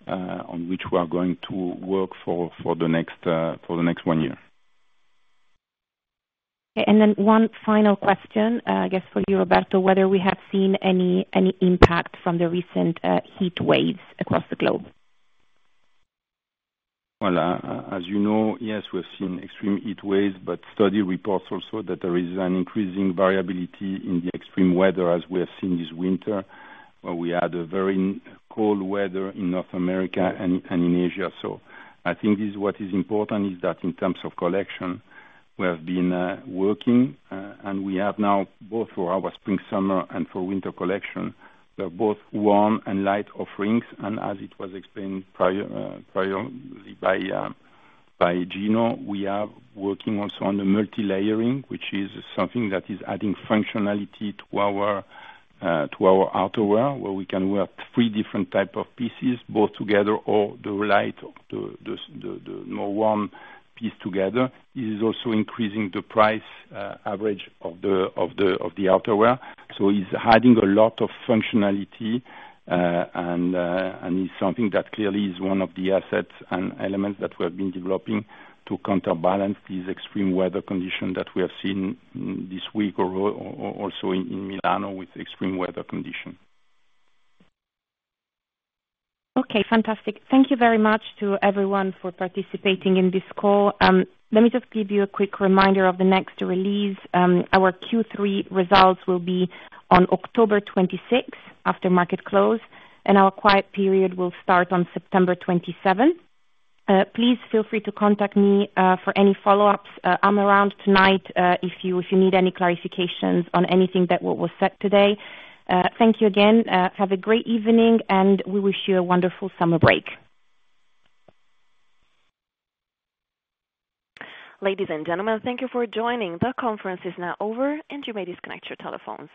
on which we are going to work for the next one year. One final question, I guess for you, Roberto, whether we have seen any impact from the recent heat waves across the globe? Well, as you know, yes, we have seen extreme heat waves, study reports also that there is an increasing variability in the extreme weather, as we have seen this winter, where we had a very cold weather in North America and in Asia. I think this is what is important, is that in terms of collection, we have been working, and we have now, both for our spring, summer, and for winter collection, they are both warm and light offerings. As it was explained prior, priorly by Gino, we are working also on the multi-layering, which is something that is adding functionality to our outerwear, where we can wear three different type of pieces, both together or the light, the more warm piece together. It is also increasing the price, average of the outerwear, so it's adding a lot of functionality, and it's something that clearly is one of the assets and elements that we have been developing to counterbalance these extreme weather conditions that we have seen this week or also in Milano with extreme weather conditions. Okay, fantastic. Thank you very much to everyone for participating in this call. Let me just give you a quick reminder of the next release. Our Q3 results will be on October 26th, after market close, and our quiet period will start on September 27th. Please feel free to contact me for any follow-ups. I'm around tonight, if you need any clarifications on anything that, what was said today. Thank you again. Have a great evening, and we wish you a wonderful summer break. Ladies and gentlemen, thank you for joining. The conference is now over, and you may disconnect your telephones.